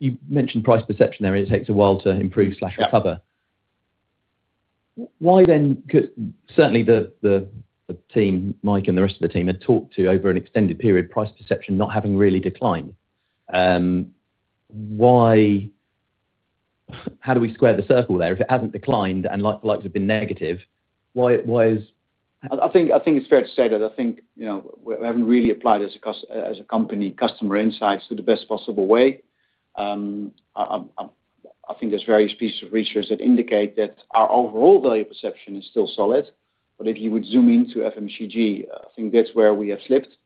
You mentioned price perception area. It takes a while to improve or recover. Why then? Certainly, the team, Mike, and the rest of the team had talked to over an extended period, price perception not having really declined. How do we square the circle there? If it has not declined and likely have been negative, why is? I think it is fair to say that I think we have not really applied as a company customer insights to the best possible way. I think there are various pieces of research that indicate that our overall value perception is still solid. If you would zoom into FMCG, I think that is where we have slipped.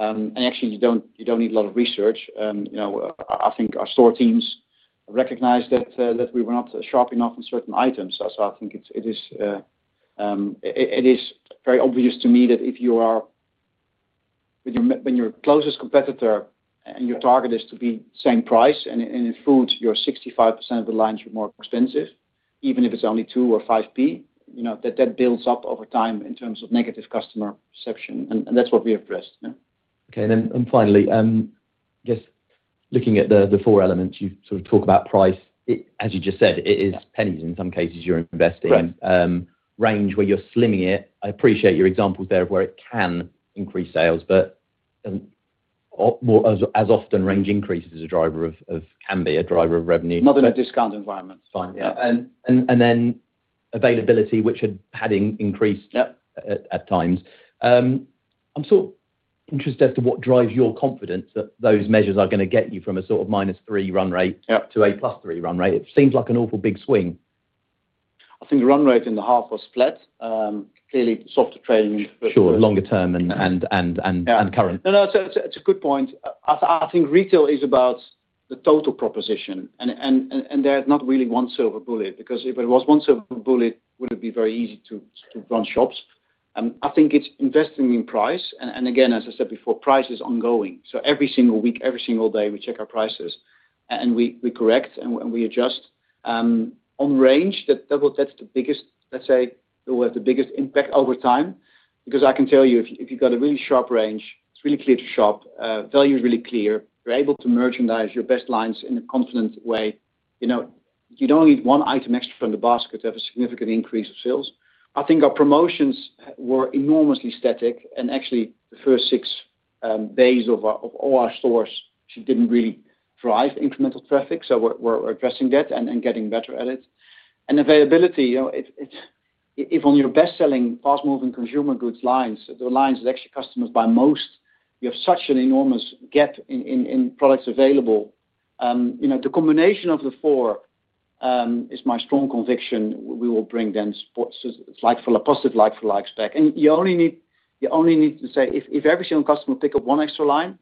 Actually, you do not need a lot of research. I think our store teams recognize that we were not sharp enough on certain items. I think it is very obvious to me that if you are with your closest competitor and your target is to be same price and in food, 65% of the lines are more expensive, even if it is only two or five pence, that builds up over time in terms of negative customer perception. That is what we have addressed. Okay. Finally, just looking at the four elements, you sort of talk about price. As you just said, it is pennies in some cases you are investing. Range where you are slimming it. I appreciate your examples there of where it can increase sales, but as often, range increases can be a driver of revenue. Not in a discount environment. Fine. Availability, which had increased at times. I'm sort of interested as to what drives your confidence that those measures are going to get you from a sort of -3 run rate to a +3 run rate. It seems like an awful big swing. I think run rate in the half or split. Clearly, soft training. Sure. Longer term and current. No, no. It's a good point. I think retail is about the total proposition. There's not really one silver bullet because if it was one silver bullet, would it be very easy to run shops? I think it's investing in price. As I said before, price is ongoing. Every single week, every single day, we check our prices and we correct and we adjust. On range, that's the biggest, let's say, the biggest impact over time because I can tell you if you've got a really sharp range, it's really clear to shop. Value is really clear. You're able to merchandise your best lines in a confident way. You don't need one item extra from the basket to have a significant increase of sales. I think our promotions were enormously static. Actually, the first six days of all our stores actually didn't really drive incremental traffic. We are addressing that and getting better at it. Availability, if on your best-selling fast-moving consumer goods lines, the lines that actually customers buy most, you have such an enormous gap in products available. The combination of the four is my strong conviction we will bring down like-for-like, positive like-for-likes back. You only need to say if every single customer picked up one extra line,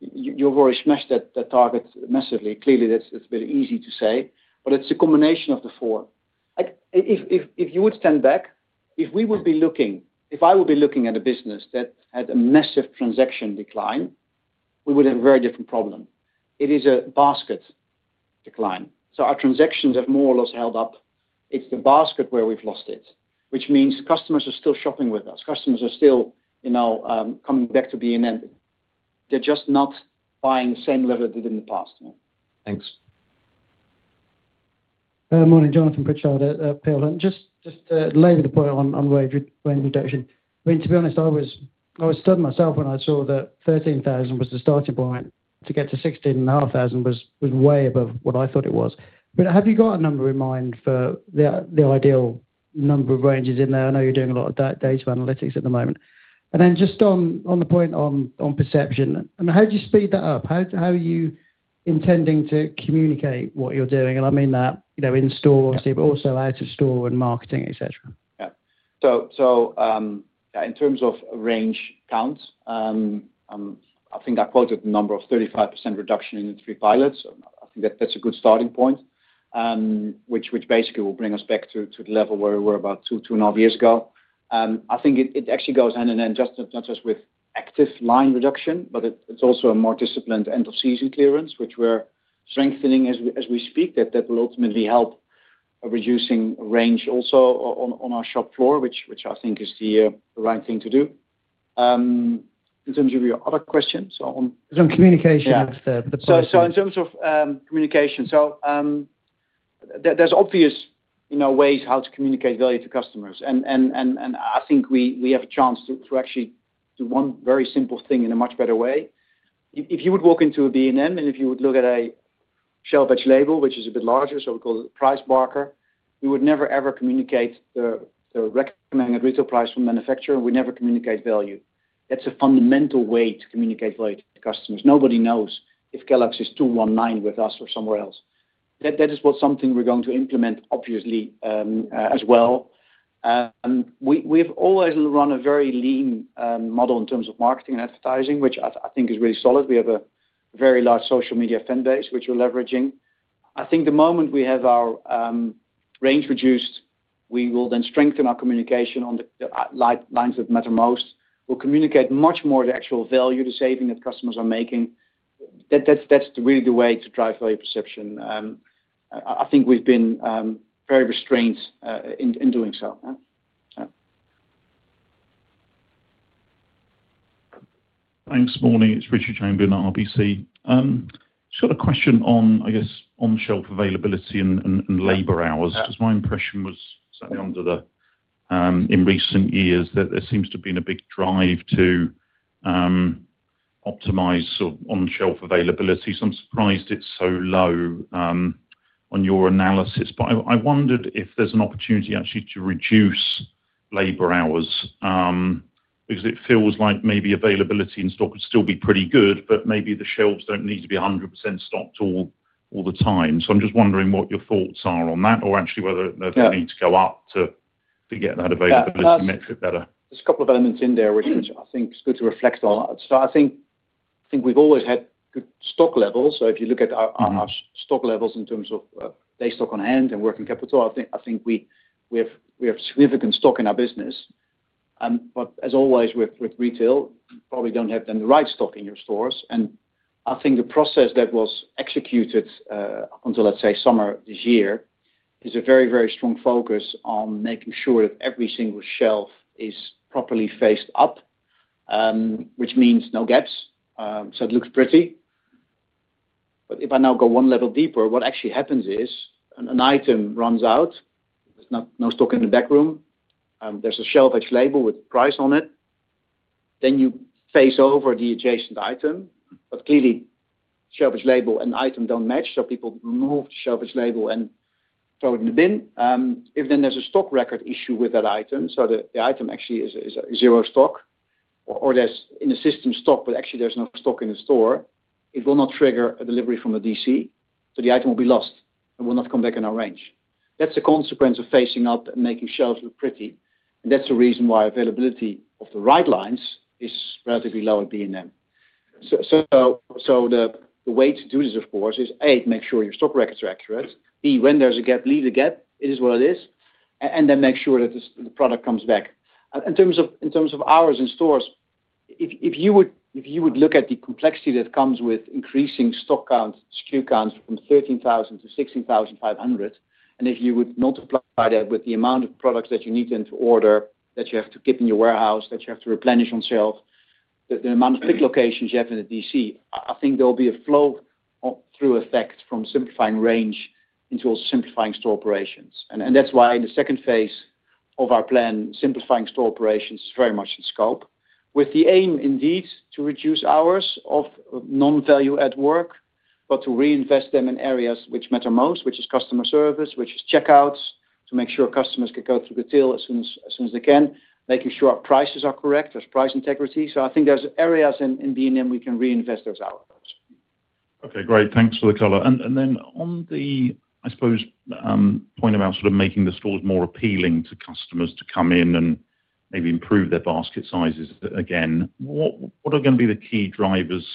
you've already smashed that target massively. Clearly, it's a bit easy to say, but it's a combination of the four. If you would stand back, if we would be looking, if I would be looking at a business that had a massive transaction decline, we would have a very different problem. It is a basket decline. Our transactions have more or less held up. It's the basket where we've lost it, which means customers are still shopping with us. Customers are still coming back to B&M. They're just not buying the same level they did in the past. Thanks. Good morning, Jonathan Pritchard at Peel. Just to lay the point on wage reduction. I mean, to be honest, I was stunned myself when I saw that 13,000 was the starting point to get to 16,500 was way above what I thought it was. But have you got a number in mind for the ideal number of ranges in there? I know you're doing a lot of data analytics at the moment. And then just on the point on perception, how do you speed that up? How are you intending to communicate what you're doing? I mean that in store, obviously, but also out of store and marketing, etc. Yeah. In terms of range counts, I think I quoted the number of 35% reduction in three pilots. I think that's a good starting point, which basically will bring us back to the level where we were about two, two and a half years ago. I think it actually goes hand in hand, not just with active line reduction, but it's also a more disciplined end-of-season clearance, which we're strengthening as we speak. That will ultimately help reducing range also on our shop floor, which I think is the right thing to do. In terms of your other questions. In terms of communication of the product. In terms of communication, there are obvious ways how to communicate value to customers. I think we have a chance to actually do one very simple thing in a much better way. If you would walk into a B&M and if you would look at a shelf batch label, which is a bit larger, so we call it price barker, we would never, ever communicate the recommended retail price from manufacturer. We never communicate value. That's a fundamental way to communicate value to customers. Nobody knows if Kellogg's is 219 with us or somewhere else. That is something we're going to implement, obviously, as well. We have always run a very lean model in terms of marketing and advertising, which I think is really solid. We have a very large social media fan base, which we're leveraging. I think the moment we have our range reduced, we will then strengthen our communication on the lines that matter most. We'll communicate much more the actual value, the saving that customers are making. That's really the way to drive value perception. I think we've been very restrained in doing so. Thanks for morning. It's [Richard Jane Burner], RBC. Just got a question on, I guess, on-shelf availability and labor hours. Just my impression was certainly under the in recent years that there seems to have been a big drive to optimize sort of on-shelf availability. I'm surprised it's so low on your analysis. I wondered if there's an opportunity actually to reduce labor hours because it feels like maybe availability in stock would still be pretty good, but maybe the shelves don't need to be 100% stocked all the time. I'm just wondering what your thoughts are on that or actually whether there's a need to go up to get that availability metric better. There's a couple of elements in there which I think it's good to reflect on. I think we've always had good stock levels. If you look at our stock levels in terms of day stock on hand and working capital, I think we have significant stock in our business. As always with retail, you probably don't have then the right stock in your stores. I think the process that was executed until, let's say, summer this year is a very, very strong focus on making sure that every single shelf is properly faced up, which means no gaps. It looks pretty. If I now go one level deeper, what actually happens is an item runs out, there's no stock in the back room, there's a shelf edge label with price on it, then you face over the adjacent item. Clearly, shelf edge label and item do not match. People remove the shelf edge label and throw it in the bin. If then there's a stock record issue with that item, so the item actually is zero stock, or there's in the system stock, but actually there's no stock in the store, it will not trigger a delivery from the DC. The item will be lost and will not come back in our range. That is the consequence of facing up and making shelves look pretty. That is the reason why availability of the right lines is relatively low at B&M. The way to do this, of course, is, A, make sure your stock records are accurate. B, when there is a gap, leave the gap. It is what it is. Then make sure that the product comes back. In terms of hours in stores, if you would look at the complexity that comes with increasing stock count, SKU count from 13,000 to 16,500, and if you would multiply that with the amount of products that you need then to order, that you have to keep in your warehouse, that you have to replenish on shelf, the amount of pick locations you have in the DC, I think there will be a flow-through effect from simplifying range into also simplifying store operations. That is why in the second phase of our plan, simplifying store operations is very much in scope, with the aim indeed to reduce hours of non-value add work, but to reinvest them in areas which matter most, which is customer service, which is checkouts, to make sure customers can go through the till as soon as they can, making sure our prices are correct. There is price integrity. I think there are areas in B&M we can reinvest those hours. Okay. Great. Thanks for the color. On the point about making the stores more appealing to customers to come in and maybe improve their basket sizes again, what are going to be the key drivers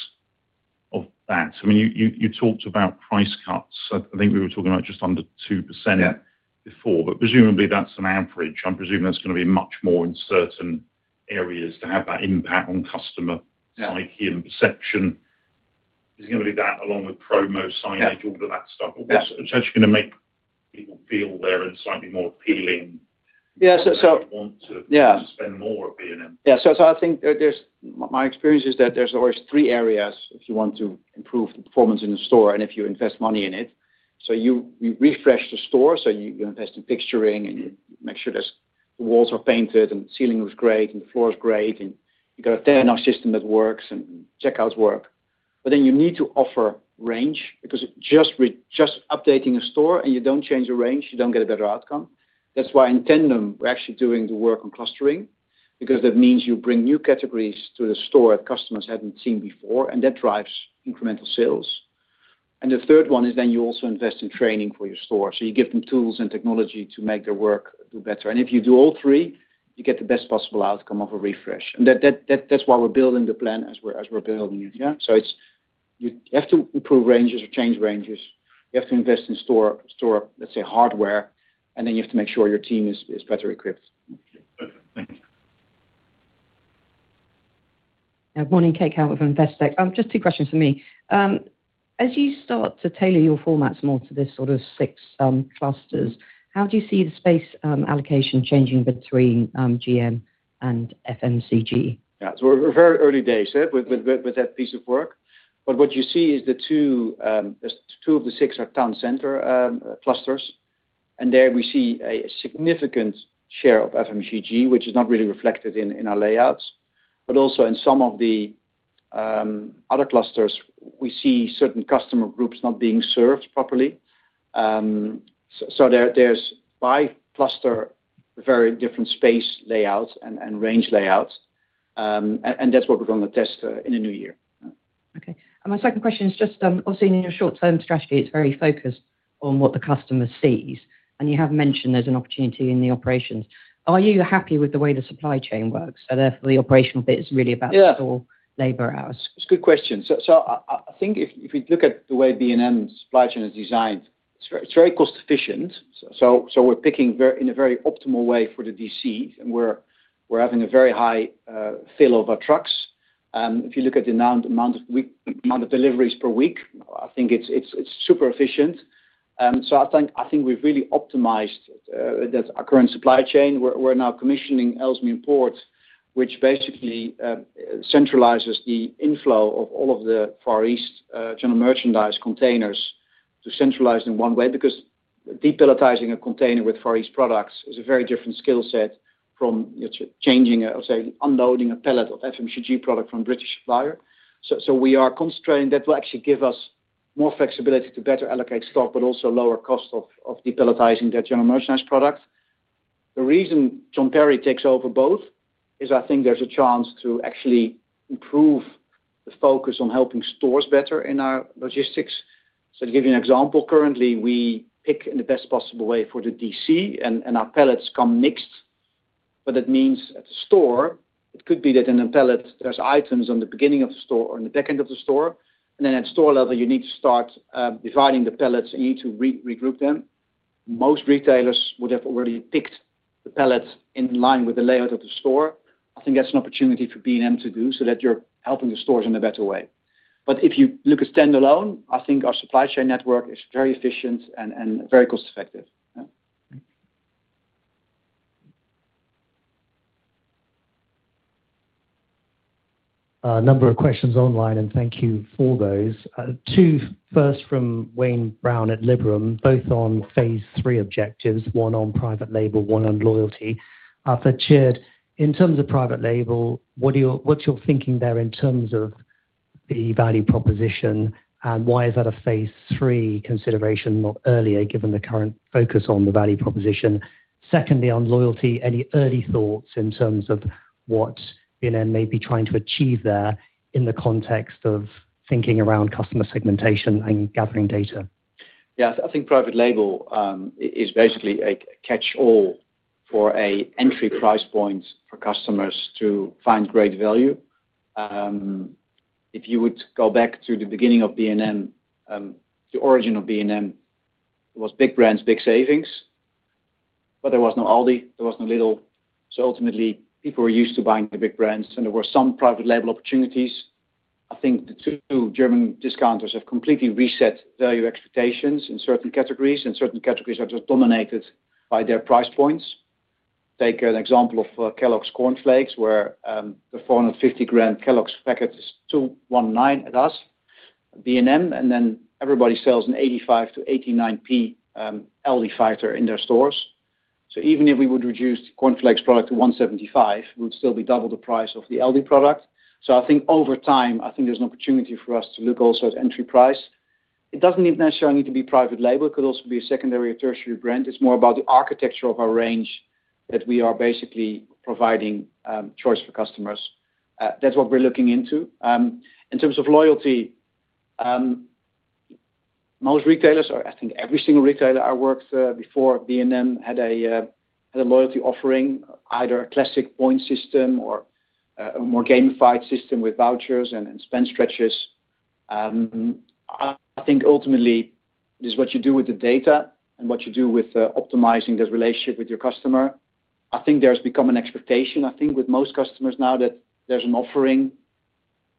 of that? I mean, you talked about price cuts. I think we were talking about just under 2% before, but presumably that is an average. I am presuming that is going to be much more in certain areas to have that impact on customer psych and perception. Is it going to be that along with promo signage, all of that stuff? What is actually going to make people feel they are slightly more appealing? Yeah. Yeah. I think my experience is that there's always three areas if you want to improve the performance in the store and if you invest money in it. You refresh the store, you invest in picturing, and you make sure the walls are painted and the ceiling looks great and the floor is great and you've got a 10-hour system that works and checkouts work. You need to offer range because just updating a store and you don't change the range, you don't get a better outcome. That's why in tandem we're actually doing the work on clustering because that means you bring new categories to the store that customers hadn't seen before, and that drives incremental sales. The third one is you also invest in training for your store. You give them tools and technology to make their work do better. If you do all three, you get the best possible outcome of a refresh. That is why we are building the plan as we are building it. You have to improve ranges or change ranges. You have to invest in store, let's say, hardware, and then you have to make sure your team is better equipped. Perfect. Thanks. Good morning, Kate Calvert with Investec. Just two questions for me. As you start to tailor your formats more to this sort of six clusters, how do you see the space allocation changing between GM and FMCG? We are very early days with that piece of work. What you see is that two of the six are town center clusters. There we see a significant share of FMCG, which is not really reflected in our layouts. But also in some of the other clusters, we see certain customer groups not being served properly. There is, by cluster, very different space layouts and range layouts. That is what we are going to test in the new year. Okay. My second question is just, obviously, in your short-term strategy, it is very focused on what the customer sees. You have mentioned there is an opportunity in the operations. Are you happy with the way the supply chain works? Therefore, the operational bit is really about store labor hours. It is a good question. I think if we look at the way B&M's supply chain is designed, it is very cost-efficient. We are picking in a very optimal way for the DC, and we are having a very high fill of our trucks. If you look at the amount of deliveries per week, I think it is super efficient. I think we've really optimized our current supply chain. We're now commissioning Ellesmere Port, which basically centralizes the inflow of all of the Far East general merchandise containers to centralize in one way because depalletizing a container with Far East products is a very different skill set from, I would say, unloading a pallet of FMCG product from a British supplier. We are concentrating. That will actually give us more flexibility to better allocate stock, but also lower cost of depalletizing that general merchandise product. The reason John Parry takes over both is I think there's a chance to actually improve the focus on helping stores better in our logistics. To give you an example, currently, we pick in the best possible way for the DC, and our pallets come mixed. That means at the store, it could be that in a pallet, there are items at the beginning of the store or in the back end of the store. At store level, you need to start dividing the pallets, and you need to regroup them. Most retailers would have already picked the pallets in line with the layout of the store. I think that is an opportunity for B&M to do so that you are helping the stores in a better way. If you look at standalone, I think our supply chain network is very efficient and very cost-effective. A number of questions online, and thank you for those. Two first from Wayne Brown at Liberum, both on phase three objectives, one on private label, one on loyalty. For Ched, in terms of private label, what's your thinking there in terms of the value proposition, and why is that a phase three consideration earlier given the current focus on the value proposition? Secondly, on loyalty, any early thoughts in terms of what B&M may be trying to achieve there in the context of thinking around customer segmentation and gathering data? Yeah. I think private label is basically a catch-all for an entry price point for customers to find great value. If you would go back to the beginning of B&M, the origin of B&M was big brands, big savings, but there was no Aldi, there was no Lidl. Ultimately, people were used to buying the big brands, and there were some private label opportunities. I think the two German discounters have completely reset value expectations in certain categories, and certain categories are just dominated by their price points. Take an example of Kellogg's Corn Flakes, where the 45 g Kellogg's packet is 2.19 at us, B&M, and then everybody sells an 85-89p Aldi fighter in their stores. Even if we would reduce Corn Flakes product to 1.75, it would still be double the price of the Aldi product. I think over time, I think there's an opportunity for us to look also at entry price. It doesn't necessarily need to be private label. It could also be a secondary or tertiary brand. It's more about the architecture of our range that we are basically providing choice for customers. That's what we're looking into. In terms of loyalty, most retailers are, I think every single retailer I worked before, B&M had a loyalty offering, either a classic point system or a more gamified system with vouchers and spend stretches. I think ultimately, this is what you do with the data and what you do with optimizing the relationship with your customer. I think there's become an expectation, I think, with most customers now that there's an offering,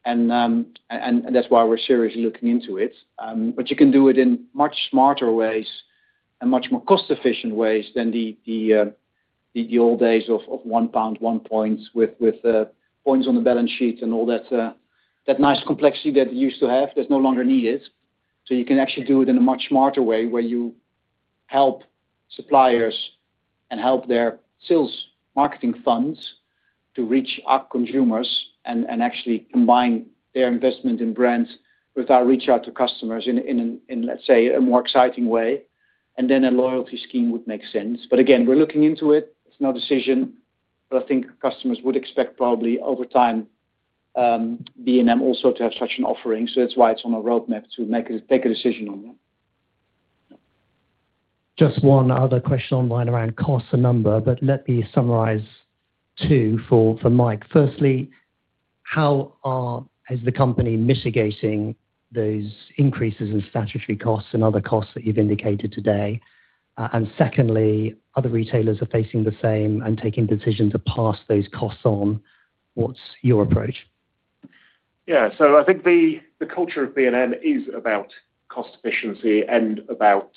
and that's why we're seriously looking into it. You can do it in much smarter ways and much more cost-efficient ways than the old days of one pound, one point with points on the balance sheet and all that nice complexity that they used to have. That's no longer needed. You can actually do it in a much smarter way where you help suppliers and help their sales marketing funds to reach our consumers and actually combine their investment in brands with our reach out to customers in, let's say, a more exciting way. A loyalty scheme would make sense. Again, we're looking into it. It's no decision. I think customers would expect probably over time B&M also to have such an offering. That's why it's on a roadmap to make a decision on that. Just one other question online around cost and number, but let me summarize two for Mike. Firstly, how is the company mitigating those increases in statutory costs and other costs that you've indicated today? Secondly, other retailers are facing the same and taking decisions to pass those costs on. What's your approach? I think the culture of B&M is about cost efficiency and about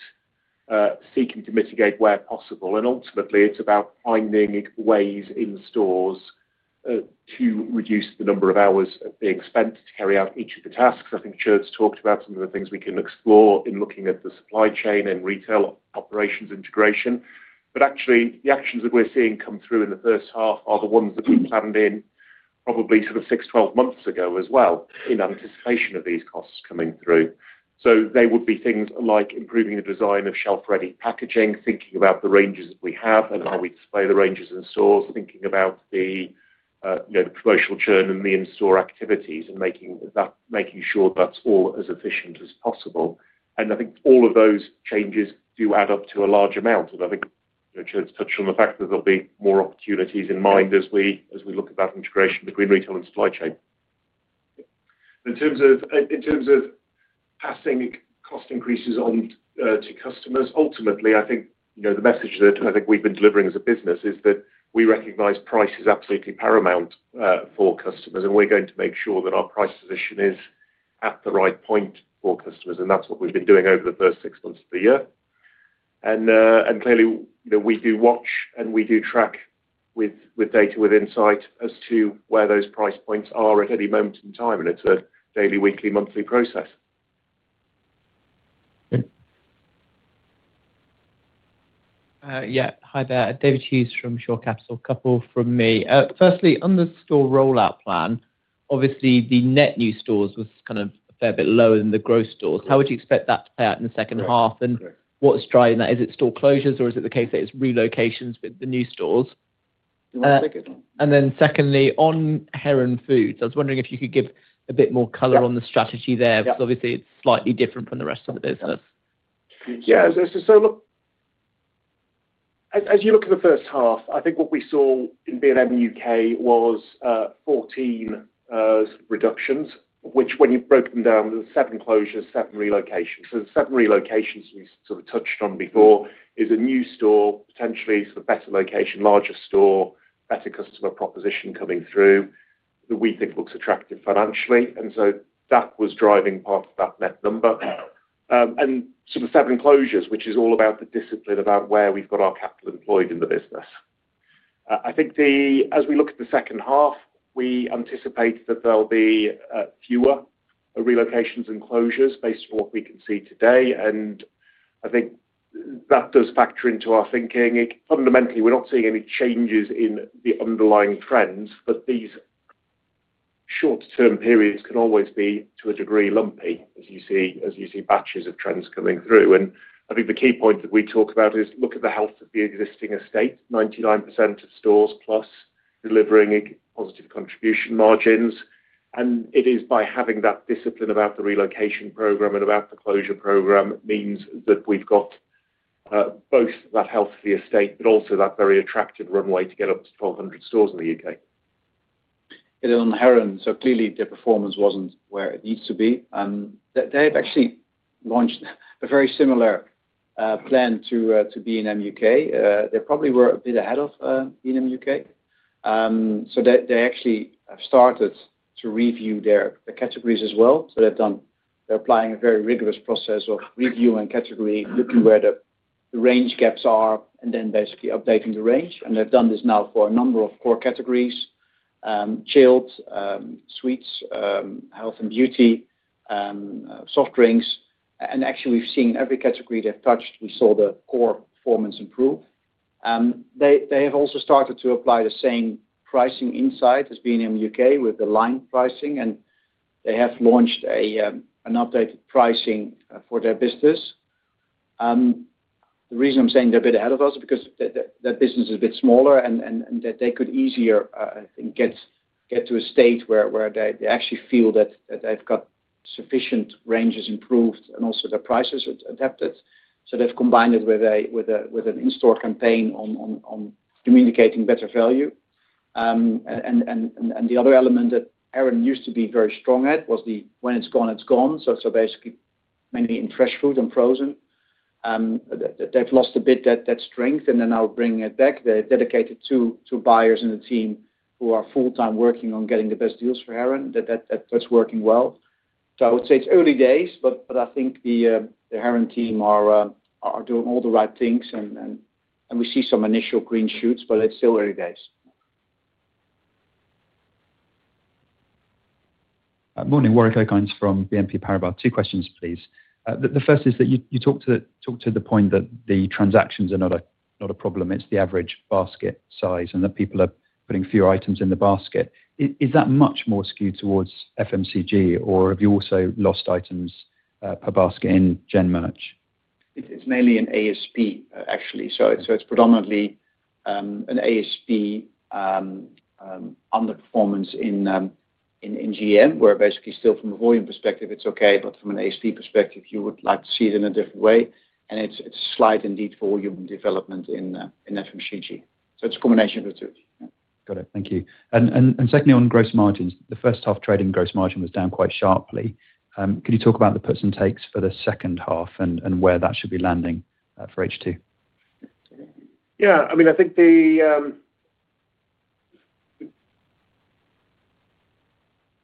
seeking to mitigate where possible. Ultimately, it's about finding ways in stores to reduce the number of hours being spent to carry out each of the tasks. I think Tjeerd's talked about some of the things we can explore in looking at the supply chain and retail operations integration. Actually, the actions that we're seeing come through in the first half are the ones that we planned in probably sort of 6 to 12 months ago as well in anticipation of these costs coming through. They would be things like improving the design of shelf-ready packaging, thinking about the ranges that we have and how we display the ranges in stores, thinking about the promotional churn and the in-store activities, and making sure that's all as efficient as possible. I think all of those changes do add up to a large amount. I think Tjeerd's touched on the fact that there will be more opportunities in mind as we look at that integration between retail and supply chain. In terms of passing cost increases on to customers, ultimately, I think the message that I think we have been delivering as a business is that we recognize price is absolutely paramount for customers, and we are going to make sure that our price position is at the right point for customers. That is what we have been doing over the first six months of the year. Clearly, we do watch and we do track with data with Insight as to where those price points are at any moment in time. It is a daily, weekly, monthly process. Yeah. Hi there. David Hughes from Shore Capital. A couple from me. Firstly, on the store rollout plan, obviously, the net new stores was kind of a fair bit lower than the gross stores. How would you expect that to play out in the second half? What's driving that? Is it store closures, or is it the case that it's relocations with the new stores? Secondly, on Heron Foods, I was wondering if you could give a bit more color on the strategy there, because obviously, it's slightly different from the rest of the business. Yeah. As you look at the first half, I think what we saw in B&M U.K. was 14 reductions, which when you broke them down, there were seven closures, seven relocations. The seven relocations we sort of touched on before is a new store, potentially sort of better location, larger store, better customer proposition coming through that we think looks attractive financially. That was driving part of that net number. Seven closures, which is all about the discipline about where we've got our capital employed in the business. I think as we look at the second half, we anticipate that there'll be fewer relocations and closures based on what we can see today. I think that does factor into our thinking. Fundamentally, we're not seeing any changes in the underlying trends, but these short-term periods can always be to a degree lumpy, as you see batches of trends coming through. I think the key point that we talk about is look at the health of the existing estate. 99% of stores plus delivering positive contribution margins. It is by having that discipline about the relocation program and about the closure program that means that we have both that health of the estate, but also that very attractive runway to get up to 1,200 stores in the U.K. On Heron, clearly, their performance was not where it needs to be. They have actually launched a very similar plan to B&M U.K. They probably were a bit ahead of B&M U.K. They actually have started to review their categories as well. They are applying a very rigorous process of review and category, looking where the range gaps are, and then basically updating the range. They have done this now for a number of core categories: chilled, sweets, health and beauty, soft drinks. Actually, we have seen every category they have touched, we saw the core performance improve. They have also started to apply the same pricing insight as B&M U.K. with the line pricing. They have launched an updated pricing for their business. The reason I'm saying they're a bit ahead of us is because that business is a bit smaller and that they could easier, I think, get to a state where they actually feel that they've got sufficient ranges improved and also their prices adapted. They have combined it with an in-store campaign on communicating better value. The other element that Heron used to be very strong at was the, "When it's gone, it's gone." Basically, mainly in fresh food and frozen. They've lost a bit of that strength, and they're now bringing it back. They're dedicated to buyers and the team who are full-time working on getting the best deals for Heron. That's working well. I would say it's early days, but I think the Heron team are doing all the right things, and we see some initial green shoots, but it's still early days. Morning, Warwick Okines from BNP Paribas. Two questions, please. The first is that you talked to the point that the transactions are not a problem. It's the average basket size and that people are putting fewer items in the basket. Is that much more skewed towards FMCG, or have you also lost items per basket in GM? It's mainly in ASP, actually. It's predominantly an ASP underperformance in GM, where basically still from a volume perspective, it's okay, but from an ASP perspective, you would like to see it in a different way. It's a slight indeed for volume development in FMCG. It's a combination of the two. Got it. Thank you. Secondly, on gross margins, the first half trading gross margin was down quite sharply. Can you talk about the puts and takes for the second half and where that should be landing for H2? Yeah. I mean, I think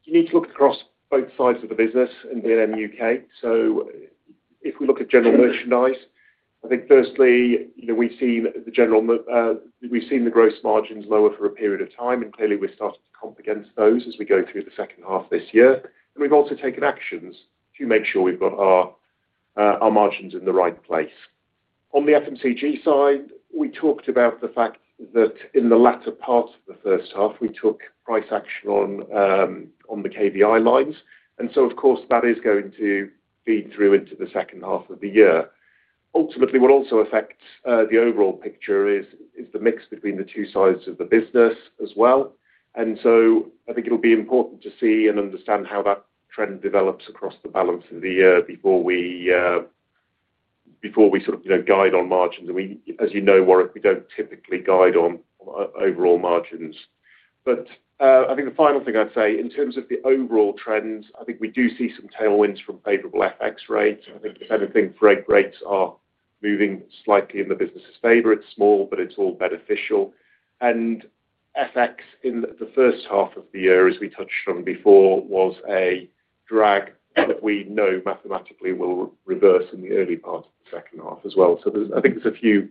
you need to look across both sides of the business in B&M U.K. If we look at general merchandise, I think firstly, we've seen the gross margins lower for a period of time, and clearly, we're starting to comp against those as we go through the second half of this year. We've also taken actions to make sure we've got our margins in the right place. On the FMCG side, we talked about the fact that in the latter part of the first half, we took price action on the KBI lines. Of course, that is going to feed through into the second half of the year. Ultimately, what also affects the overall picture is the mix between the two sides of the business as well. I think it'll be important to see and understand how that trend develops across the balance of the year before we sort of guide on margins. As you know, Warwick, we do not typically guide on overall margins. I think the final thing I'd say, in terms of the overall trends, is we do see some tailwinds from favorable FX rates. If anything, freight rates are moving slightly in the business's favor. It is small, but it is all beneficial. FX in the first half of the year, as we touched on before, was a drag that we know mathematically will reverse in the early part of the second half as well. I think there are a few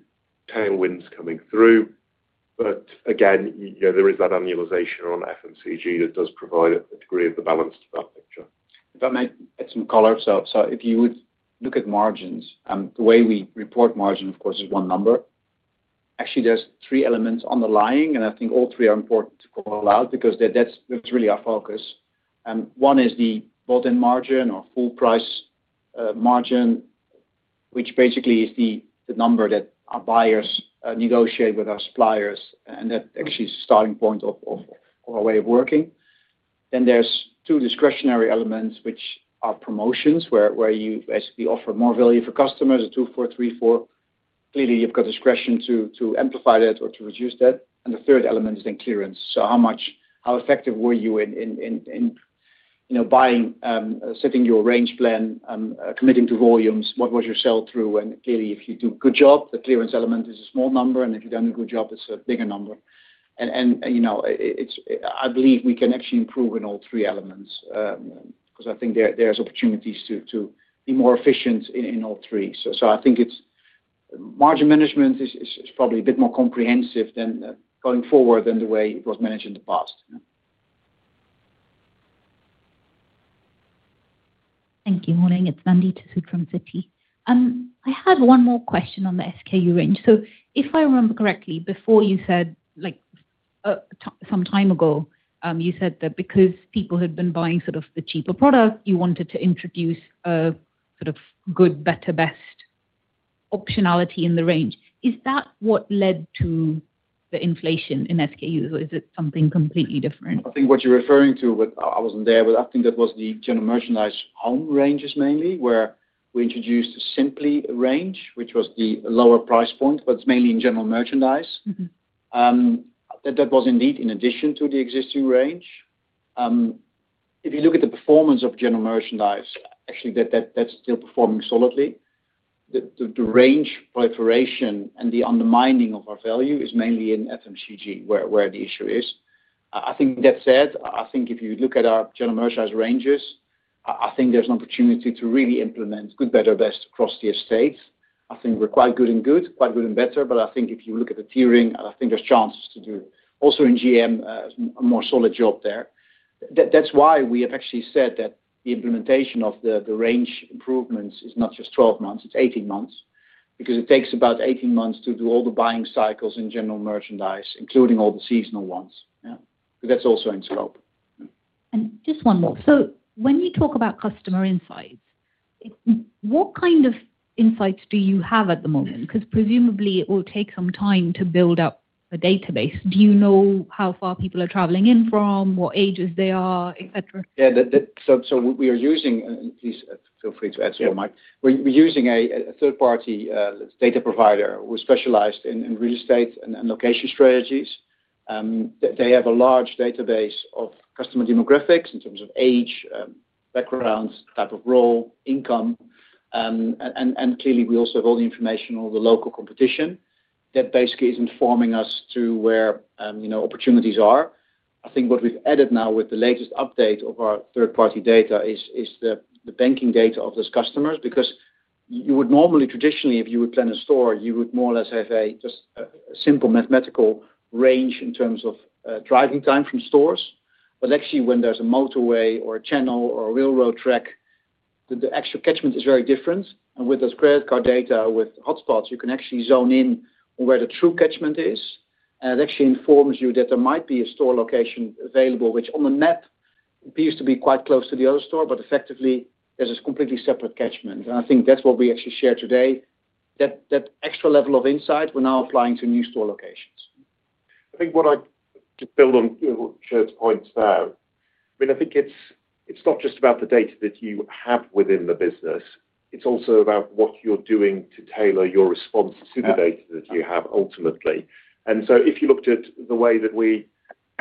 tailwinds coming through. Again, there is that annualization on FMCG that does provide a degree of the balance to that picture. If I may add some color. If you would look at margins, the way we report margin, of course, is one number. Actually, there are three elements underlying, and I think all three are important to call out because that's really our focus. One is the bottom margin or full price margin, which basically is the number that our buyers negotiate with our suppliers. That's actually the starting point of our way of working. There are two discretionary elements, which are promotions, where you basically offer more value for customers, a 2, 4, 3, 4. Clearly, you have discretion to amplify that or to reduce that. The third element is clearance. How effective were you in buying, setting your range plan, committing to volumes? What was your sell-through? Clearly, if you do a good job, the clearance element is a small number. If you have not done a good job, it is a bigger number. I believe we can actually improve in all three elements because I think there are opportunities to be more efficient in all three. I think margin management is probably a bit more comprehensive going forward than the way it was managed in the past. Thank you. Morning. It is Mandy Tso from Citi. I had one more question on the SKU range. If I remember correctly, before you said some time ago, you said that because people had been buying sort of the cheaper product, you wanted to introduce sort of good, better, best optionality in the range. Is that what led to the inflation in SKUs, or is it something completely different? I think what you're referring to, but I wasn't there, but I think that was the general merchandise home ranges mainly, where we introduced a Simply range, which was the lower price point, but it's mainly in general merchandise. That was indeed in addition to the existing range. If you look at the performance of general merchandise, actually, that's still performing solidly. The range proliferation and the undermining of our value is mainly in FMCG, where the issue is. I think that said, I think if you look at our general merchandise ranges, I think there's an opportunity to really implement good, better, best across the estates. I think we're quite good in good, quite good in better. I think if you look at the tiering, I think there's chances to do also in GM a more solid job there. That is why we have actually said that the implementation of the range improvements is not just 12 months, it is 18 months, because it takes about 18 months to do all the buying cycles in general merchandise, including all the seasonal ones. That is also in scope. Just one more. When you talk about customer insights, what kind of insights do you have at the moment? Presumably, it will take some time to build up a database. Do you know how far people are traveling in from, what ages they are, etc.? Yeah. We are using—please feel free to answer on mic—we're using a third-party data provider who is specialized in real estate and location strategies. They have a large database of customer demographics in terms of age, backgrounds, type of role, income. Clearly, we also have all the information on the local competition that basically is informing us to where opportunities are. I think what we've added now with the latest update of our third-party data is the banking data of those customers, because you would normally, traditionally, if you would plan a store, you would more or less have just a simple mathematical range in terms of driving time from stores. Actually, when there's a motorway or a channel or a railroad track, the actual catchment is very different. With those credit card data, with hotspots, you can actually zone in on where the true catchment is. It actually informs you that there might be a store location available, which on the map appears to be quite close to the other store, but effectively, there is a completely separate catchment. I think that is what we actually shared today. That extra level of insight, we are now applying to new store locations. I think what I could build on Tjeerd's points there, I mean, I think it is not just about the data that you have within the business. It is also about what you are doing to tailor your response to the data that you have, ultimately. If you looked at the way that we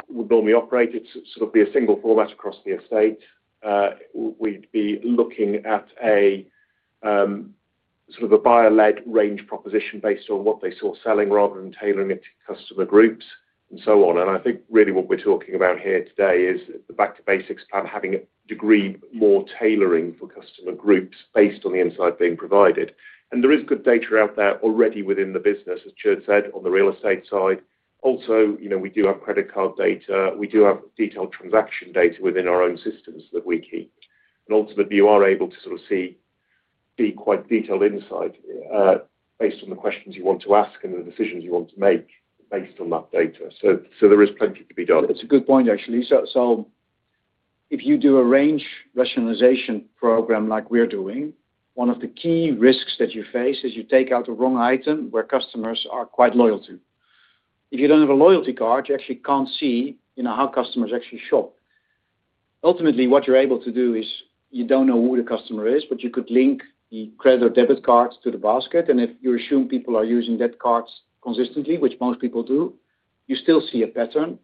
would normally operate, it would sort of be a single format across the estate. We'd be looking at sort of a buyer-led range proposition based on what they saw selling rather than tailoring it to customer groups and so on. I think really what we're talking about here today is the Back to B&M Basics plan, having a degree more tailoring for customer groups based on the insight being provided. There is good data out there already within the business, as Tjeerd said, on the real estate side. Also, we do have credit card data. We do have detailed transaction data within our own systems that we keep. Ultimately, you are able to sort of see quite detailed insight based on the questions you want to ask and the decisions you want to make based on that data. There is plenty to be done. That's a good point, actually. If you do a range rationalization program like we're doing, one of the key risks that you face is you take out a wrong item where customers are quite loyal to. If you don't have a loyalty card, you actually can't see how customers actually shop. Ultimately, what you're able to do is you don't know who the customer is, but you could link the credit or debit card to the basket. If you assume people are using that card consistently, which most people do, you still see a pattern.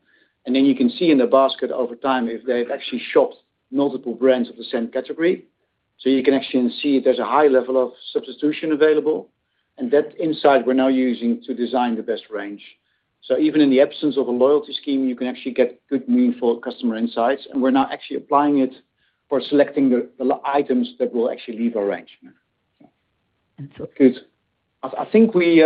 You can see in the basket over time if they've actually shopped multiple brands of the same category. You can actually see if there's a high level of substitution available. That insight we're now using to design the best range. Even in the absence of a loyalty scheme, you can actually get good, meaningful customer insights. And we're now actually applying it for selecting the items that will actually leave our range. Good. I think we've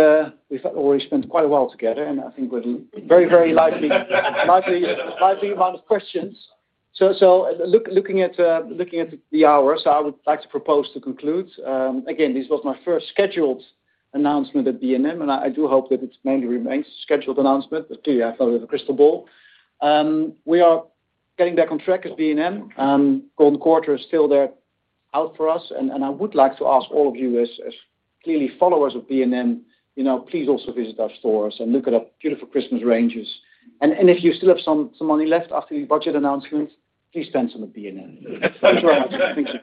spent quite a while together, and I think we're very, very lively amount of questions. So looking at the hour, I would like to propose to conclude. Again, this was my first scheduled announcement at B&M, and I do hope that it mainly remains a scheduled announcement. But clearly, I've got a little crystal ball. We are getting back on track at B&M. Golden Quarter is still there out for us. And I would like to ask all of you, as clearly followers of B&M, please also visit our stores and look at our beautiful Christmas ranges. If you still have some money left after the budget announcement, please spend some at B&M. Thank you very much. Thank you.